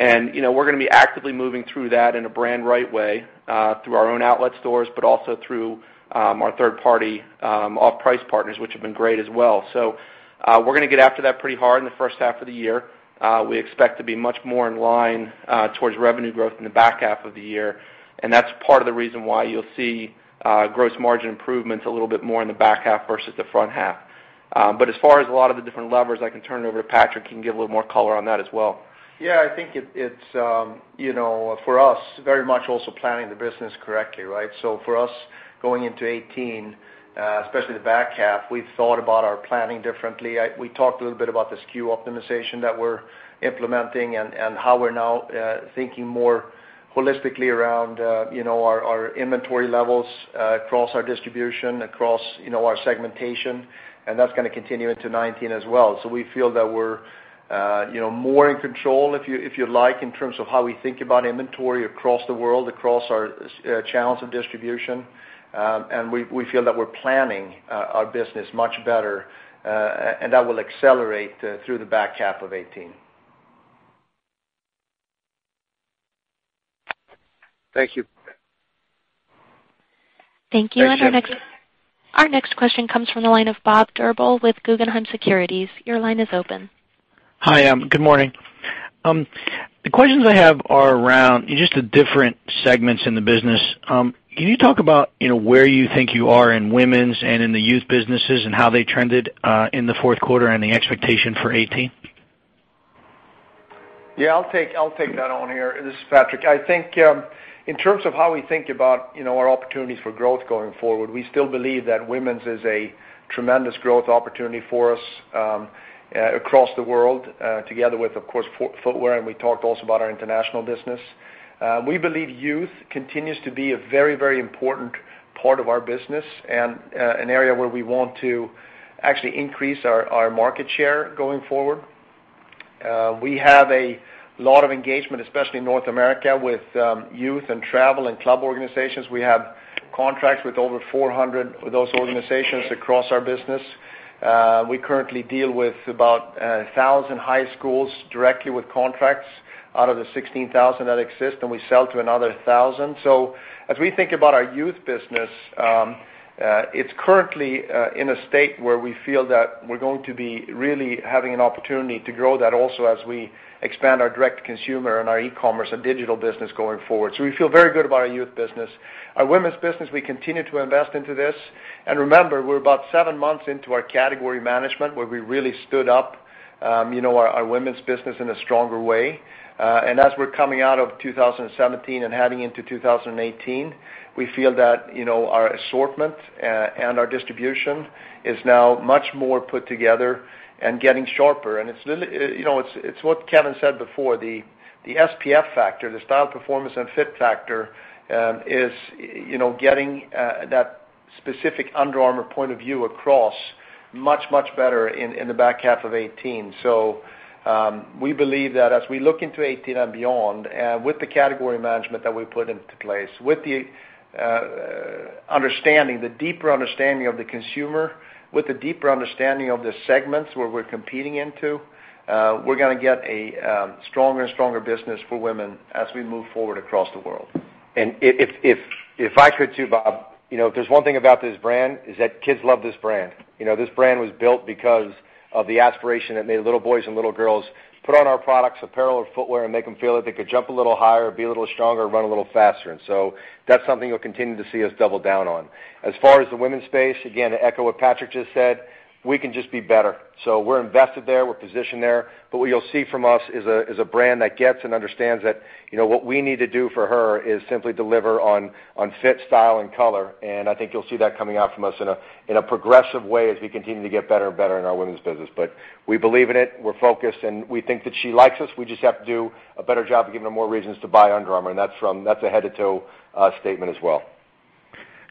We're going to be actively moving through that in a brand right way, through our own outlet stores, but also through our third party, off-price partners, which have been great as well. We're going to get after that pretty hard in the first half of the year. We expect to be much more in line towards revenue growth in the back half of the year. That's part of the reason why you'll see gross margin improvements a little bit more in the back half versus the front half. As far as a lot of the different levers, I can turn it over to Patrik who can give a little more color on that as well. I think it's for us, very much also planning the business correctly, right? For us, going into 2018, especially the back half, we've thought about our planning differently. We talked a little bit about the SKU optimization that we're implementing and how we're now thinking more holistically around our inventory levels across our distribution, across our segmentation. That's going to continue into 2019 as well. We feel that we're more in control, if you like, in terms of how we think about inventory across the world, across our channels of distribution. We feel that we're planning our business much better, and that will accelerate through the back half of 2018. Thank you. Thank you. Thanks, Jim. Our next question comes from the line of Bob Drbul with Guggenheim Securities. Your line is open. Hi. Good morning. The questions I have are around just the different segments in the business. Can you talk about where you think you are in women's and in the youth businesses, and how they trended in the fourth quarter and the expectation for 2018? Yeah, I'll take that on here. This is Patrik. I think in terms of how we think about our opportunities for growth going forward, we still believe that women's is a tremendous growth opportunity for us across the world, together with, of course, footwear, and we talked also about our international business. We believe youth continues to be a very, very important part of our business and an area where we want to actually increase our market share going forward. We have a lot of engagement, especially in North America, with youth and travel and club organizations. We have contracts with over 400 of those organizations across our business. We currently deal with about 1,000 high schools directly with contracts out of the 16,000 that exist, and we sell to another 1,000. As we think about our youth business, it's currently in a state where we feel that we're going to be really having an opportunity to grow that also as we expand our direct consumer and our e-commerce and digital business going forward. We feel very good about our youth business. Our women's business, we continue to invest into this. Remember, we're about seven months into our category management, where we really stood up our women's business in a stronger way. As we're coming out of 2017 and heading into 2018, we feel that our assortment and our distribution is now much more put together and getting sharper. It's what Kevin said before, the SPF factor, the style, performance, and fit factor, is getting that specific Under Armour point of view across much, much better in the back half of 2018. We believe that as we look into 2018 and beyond, with the category management that we put into place, with the deeper understanding of the consumer, with the deeper understanding of the segments where we're competing into, we're gonna get a stronger and stronger business for women as we move forward across the world. if If I could too, Bob. If there's one thing about this brand, is that kids love this brand. This brand was built because of the aspiration that made little boys and little girls put on our products, apparel or footwear, and make them feel like they could jump a little higher, be a little stronger, run a little faster. That's something you'll continue to see us double down on. As far as the women's space, again, to echo what Patrik just said, we can just be better. We're invested there, we're positioned there, but what you'll see from us is a brand that gets and understands that what we need to do for her is simply deliver on fit, style, and color. I think you'll see that coming out from us in a progressive way as we continue to get better and better in our women's business. We believe in it, we're focused, and we think that she likes us. We just have to do a better job of giving her more reasons to buy Under Armour, and that's a head-to-toe statement as well.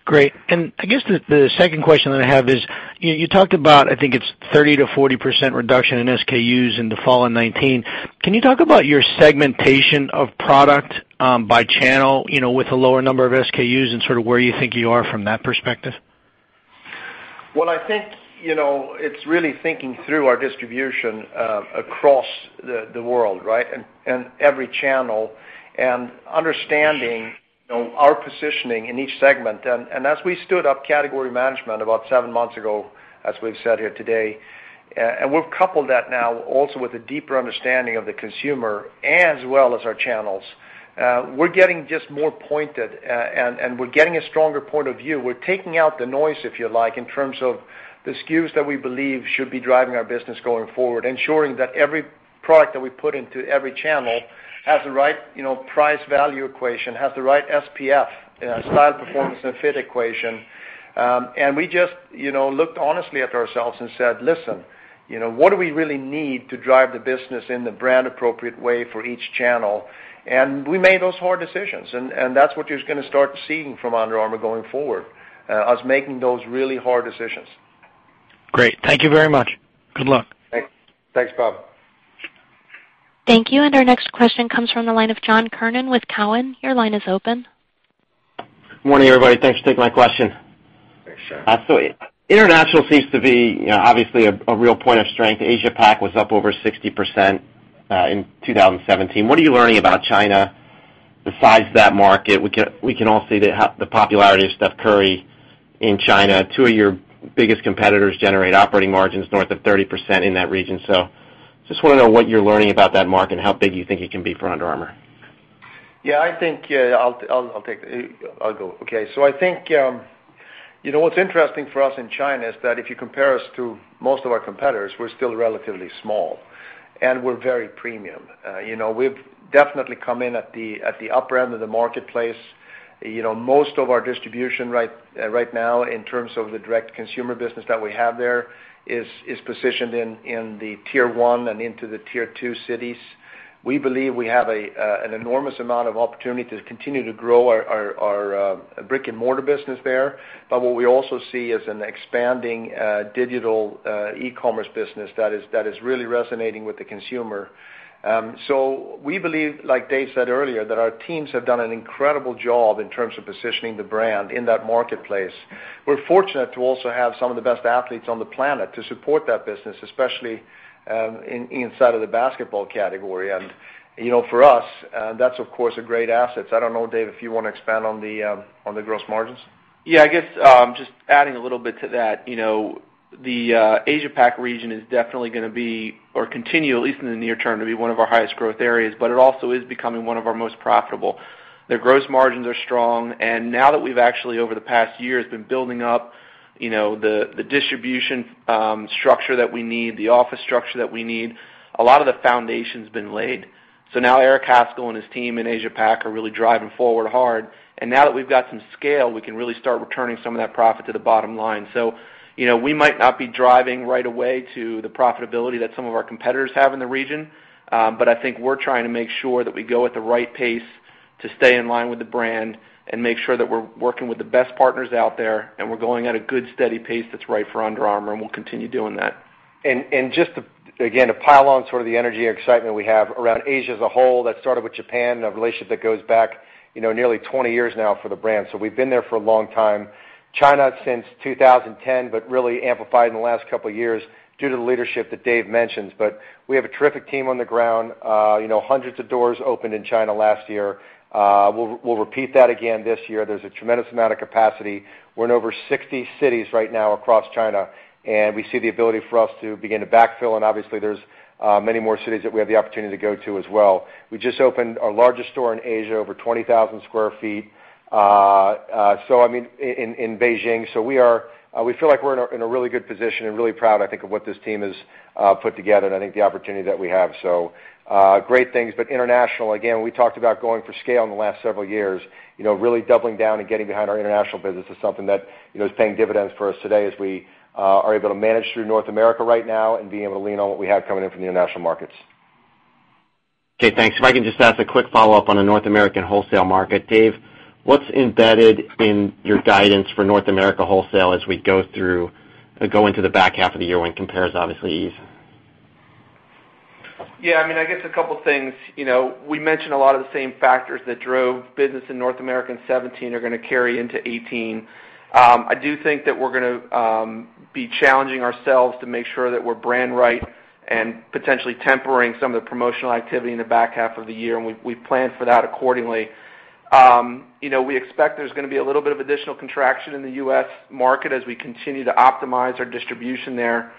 Great. I guess the second question that I have is, you talked about, I think it's 30%-40% reduction in SKUs in the fall of 2019. Can you talk about your segmentation of product by channel with a lower number of SKUs and sort of where you think you are from that perspective? Well, I think, it's really thinking through our distribution across the world, right? Every channel, and understanding our positioning in each segment. As we stood up category management about seven months ago, as we've said here today, we've coupled that now also with a deeper understanding of the consumer as well as our channels. We're getting just more pointed, we're getting a stronger point of view. We're taking out the noise, if you like, in terms of the SKUs that we believe should be driving our business going forward, ensuring that every product that we put into every channel has the right price value equation, has the right SPF, style, performance, and fit equation. We just looked honestly at ourselves and said, "Listen, what do we really need to drive the business in the brand-appropriate way for each channel?" We made those hard decisions, and that's what you're going to start seeing from Under Armour going forward, us making those really hard decisions. Great. Thank you very much. Good luck. Thanks, Bob. Thank you. Our next question comes from the line of John Kernan with Cowen. Your line is open. Morning, everybody. Thanks for taking my question. Thanks, John. International seems to be obviously a real point of strength. Asia Pac was up over 60% in 2017. What are you learning about China, the size of that market? We can all see the popularity of Steph Curry in China. Two of your biggest competitors generate operating margins north of 30% in that region. Just want to know what you're learning about that market and how big you think it can be for Under Armour. Yeah, I'll go. Okay. I think what's interesting for us in China is that if you compare us to most of our competitors, we're still relatively small, and we're very premium. We've definitely come in at the upper end of the marketplace. Most of our distribution right now in terms of the direct-to-consumer business that we have there is positioned in the tier 1 and into the tier 2 cities. We believe we have an enormous amount of opportunity to continue to grow our brick-and-mortar business there. What we also see is an expanding digital e-commerce business that is really resonating with the consumer. We believe, like Dave said earlier, that our teams have done an incredible job in terms of positioning the brand in that marketplace. We're fortunate to also have some of the best athletes on the planet to support that business, especially inside of the basketball category. For us, that's of course a great asset. I don't know, Dave, if you want to expand on the gross margins. I guess just adding a little bit to that. The Asia Pac region is definitely going to be or continue, at least in the near term, to be one of our highest growth areas, but it also is becoming one of our most profitable. Their gross margins are strong, and now that we've actually, over the past year, been building up the distribution structure that we need, the office structure that we need, a lot of the foundation's been laid. Now Erick Haskell and his team in Asia Pac are really driving forward hard. Now that we've got some scale, we can really start returning some of that profit to the bottom line. We might not be driving right away to the profitability that some of our competitors have in the region. I think we're trying to make sure that we go at the right pace to stay in line with the brand and make sure that we're working with the best partners out there, and we're going at a good, steady pace that's right for Under Armour, and we'll continue doing that. Just, again, to pile on sort of the energy and excitement we have around Asia as a whole, that started with Japan, a relationship that goes back nearly 20 years now for the brand. We've been there for a long time. China since 2010, but really amplified in the last couple of years due to the leadership that Dave mentions. We have a terrific team on the ground. Hundreds of doors opened in China last year. We'll repeat that again this year. There's a tremendous amount of capacity. We're in over 60 cities right now across China, and we see the ability for us to begin to backfill, and obviously there's many more cities that we have the opportunity to go to as well. We just opened our largest store in Asia, over 20,000 square feet in Beijing. We feel like we're in a really good position and really proud, I think, of what this team has put together and I think the opportunity that we have. Great things, but international, again, we talked about going for scale in the last several years. Really doubling down and getting behind our international business is something that is paying dividends for us today as we are able to manage through North America right now and being able to lean on what we have coming in from the international markets. Okay, thanks. If I can just ask a quick follow-up on the North American wholesale market. Dave, what's embedded in your guidance for North America wholesale as we go into the back half of the year when compares obviously ease? Yeah, I guess a couple things. We mentioned a lot of the same factors that drove business in North America in 2017 are going to carry into 2018. I do think that we're going to be challenging ourselves to make sure that we're brand right and potentially tempering some of the promotional activity in the back half of the year, and we've planned for that accordingly. We expect there's going to be a little bit of additional contraction in the U.S. market as we continue to optimize our distribution there.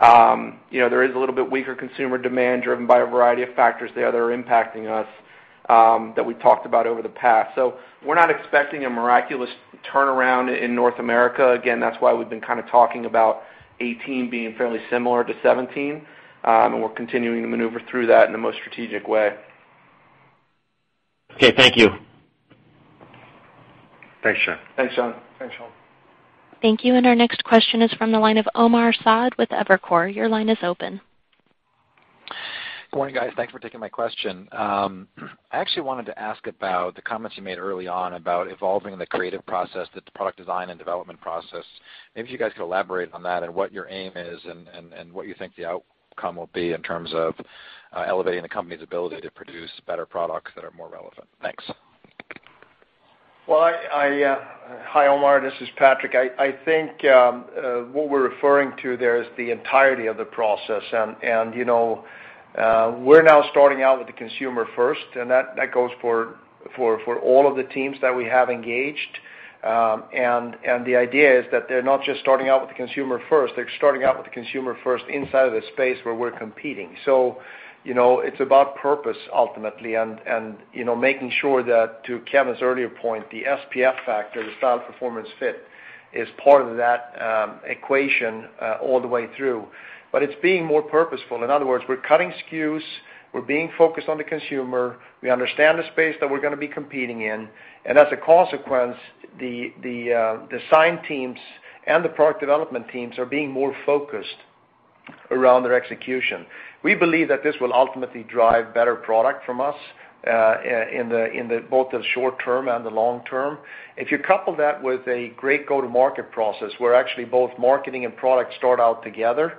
There is a little bit weaker consumer demand driven by a variety of factors there that are impacting us, that we've talked about over the past. We're not expecting a miraculous turnaround in North America. Again, that's why we've been talking about 2018 being fairly similar to 2017, and we're continuing to maneuver through that in the most strategic way. Okay, thank you. Thanks, John. Thanks, John. Thank you. Our next question is from the line of Omar Saad with Evercore. Your line is open. Good morning, guys. Thanks for taking my question. I actually wanted to ask about the comments you made early on about evolving the creative process, the product design and development process. Maybe if you guys could elaborate on that and what your aim is and what you think the outcome will be in terms of elevating the company's ability to produce better products that are more relevant. Thanks. Well, hi, Omar. This is Patrik. I think, what we're referring to there is the entirety of the process. We're now starting out with the consumer first, and that goes for all of the teams that we have engaged. The idea is that they're not just starting out with the consumer first, they're starting out with the consumer first inside of the space where we're competing. It's about purpose ultimately and making sure that, to Kevin's earlier point, the SPF factor, the style, performance, fit, is part of that equation all the way through. It's being more purposeful. In other words, we're cutting SKUs, we're being focused on the consumer, we understand the space that we're going to be competing in, and as a consequence, the design teams and the product development teams are being more focused around their execution. We believe that this will ultimately drive better product from us in both the short term and the long term. If you couple that with a great go-to-market process where actually both marketing and product start out together,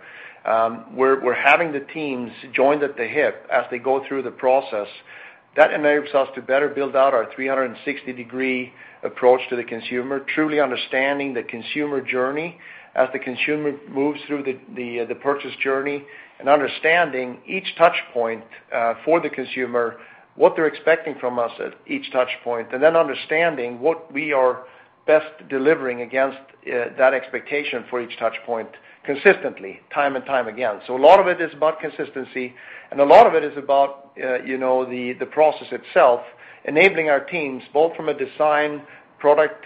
we're having the teams joined at the hip as they go through the process. That enables us to better build out our 360-degree approach to the consumer, truly understanding the consumer journey as the consumer moves through the purchase journey, and understanding each touch point for the consumer, what they're expecting from us at each touch point, and then understanding what we are best delivering against that expectation for each touch point consistently, time and time again. A lot of it is about consistency, and a lot of it is about the process itself, enabling our teams, both from a design, product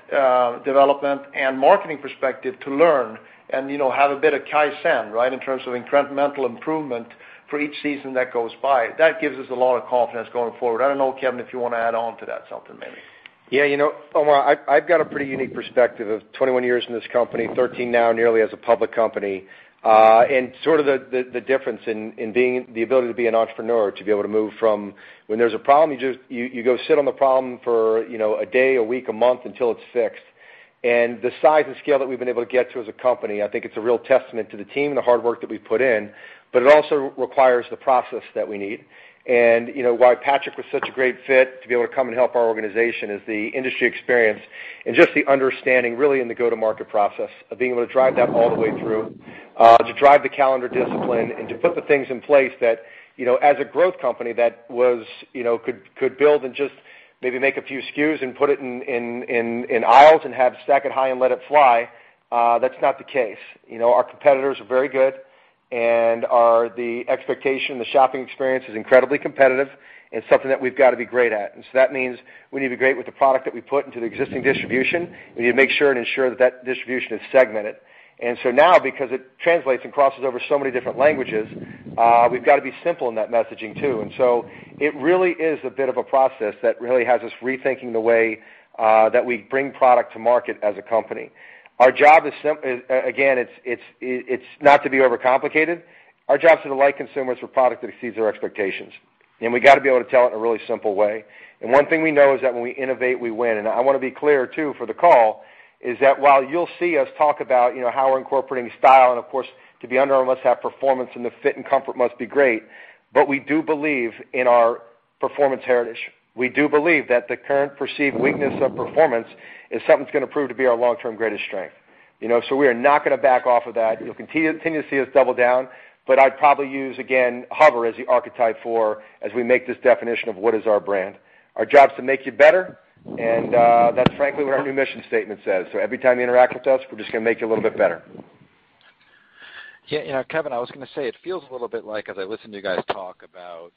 development, and marketing perspective, to learn and have a bit of kaizen, in terms of incremental improvement for each season that goes by. That gives us a lot of confidence going forward. I don't know, Kevin, if you want to add on to that something maybe. Yeah. Omar, I've got a pretty unique perspective of 21 years in this company, 13 now nearly as a public company. Sort of the difference in the ability to be an entrepreneur, to be able to move from when there's a problem, you go sit on the problem for a day, a week, a month until it's fixed. The size and scale that we've been able to get to as a company, I think it's a real testament to the team and the hard work that we put in, but it also requires the process that we need. Why Patrik was such a great fit to be able to come and help our organization is the industry experience and just the understanding really in the go-to-market process of being able to drive that all the way through, to drive the calendar discipline and to put the things in place that as a growth company that could build and just maybe make a few SKUs and put it in aisles and have stack it high and let it fly. That's not the case. Our competitors are very good, and the expectation, the shopping experience is incredibly competitive and something that we've got to be great at. That means we need to be great with the product that we put into the existing distribution. We need to make sure and ensure that that distribution is segmented. Now, because it translates and crosses over so many different languages, we've got to be simple in that messaging too. It really is a bit of a process that really has us rethinking the way that we bring product to market as a company. Again, it's not to be overcomplicated. Our job is to delight consumers with product that exceeds their expectations. We got to be able to tell it in a really simple way. One thing we know is that when we innovate, we win. I want to be clear, too, for the call, is that while you'll see us talk about how we're incorporating style and of course, to be Under Armour must have performance and the fit and comfort must be great, but we do believe in our performance heritage. We do believe that the current perceived weakness of performance is something that's going to prove to be our long-term greatest strength. We are not going to back off of that. You'll continue to see us double down, but I'd probably use, again, HOVR as the archetype for as we make this definition of what is our brand. Our job is to make you better, and that's frankly what our new mission statement says. Every time you interact with us, we're just going to make you a little bit better. Kevin, I was going to say, it feels a little bit like as I listen to you guys talk about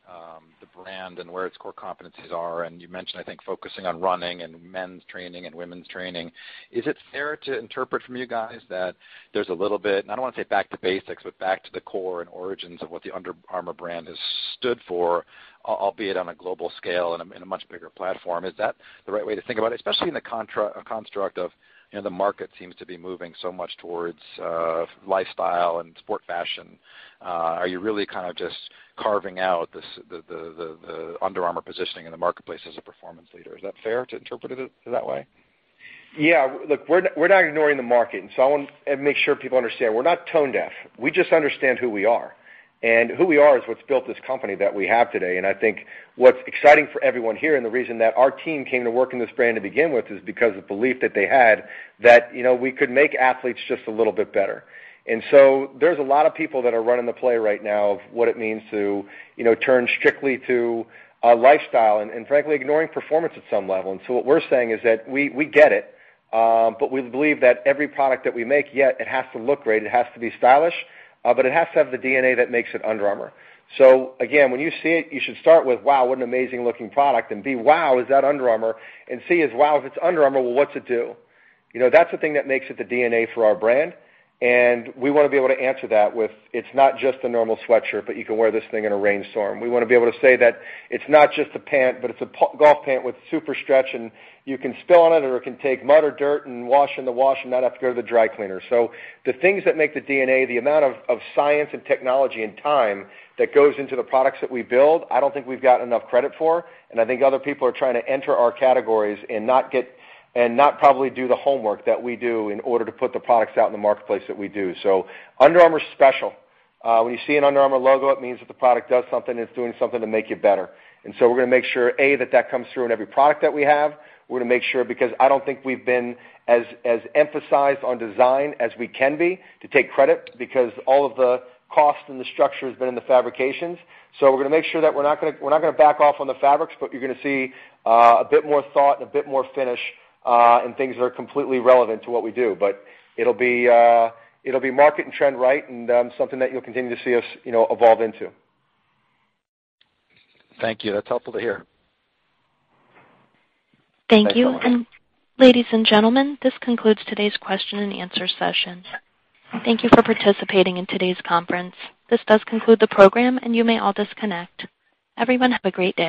the brand and where its core competencies are, and you mentioned, I think, focusing on running and men's training and women's training. Is it fair to interpret from you guys that there's a little bit, and I don't want to say back to basics, but back to the core and origins of what the Under Armour brand has stood for, albeit on a global scale and in a much bigger platform? Is that the right way to think about it? Especially in the construct of the market seems to be moving so much towards lifestyle and sport fashion. Are you really just carving out the Under Armour positioning in the marketplace as a performance leader? Is that fair to interpret it that way? Look, we're not ignoring the market, I want to make sure people understand. We're not tone deaf. We just understand who we are. Who we are is what's built this company that we have today. I think what's exciting for everyone here, and the reason that our team came to work in this brand to begin with, is because of belief that they had that we could make athletes just a little bit better. There's a lot of people that are running the play right now of what it means to turn strictly to lifestyle and frankly ignoring performance at some level. What we're saying is that we get it, we believe that every product that we make, yeah, it has to look great, it has to be stylish, it has to have the DNA that makes it Under Armour. Again, when you see it, you should start with, wow, what an amazing looking product. B, wow, is that Under Armour? C is, wow, if it's Under Armour, well, what's it do? That's the thing that makes it the DNA for our brand, and we want to be able to answer that with, it's not just a normal sweatshirt, but you can wear this thing in a rainstorm. We want to be able to say that it's not just a pant, but it's a golf pant with super stretch, and you can spill on it or it can take mud or dirt and wash in the wash and not have to go to the dry cleaner. The things that make the DNA, the amount of science and technology and time that goes into the products that we build, I don't think we've got enough credit for. I think other people are trying to enter our categories and not probably do the homework that we do in order to put the products out in the marketplace that we do. Under Armour's special. When you see an Under Armour logo, it means that the product does something, it's doing something to make you better. We're going to make sure, A, that that comes through in every product that we have. We're going to make sure, because I don't think we've been as emphasized on design as we can be to take credit because all of the cost and the structure has been in the fabrications. We're going to make sure that we're not going to back off on the fabrics, but you're going to see a bit more thought and a bit more finish in things that are completely relevant to what we do. It'll be market and trend right and something that you'll continue to see us evolve into. Thank you. That's helpful to hear. Thank you. Thanks so much. Ladies and gentlemen, this concludes today's question and answer session. Thank you for participating in today's conference. This does conclude the program, and you may all disconnect. Everyone, have a great day.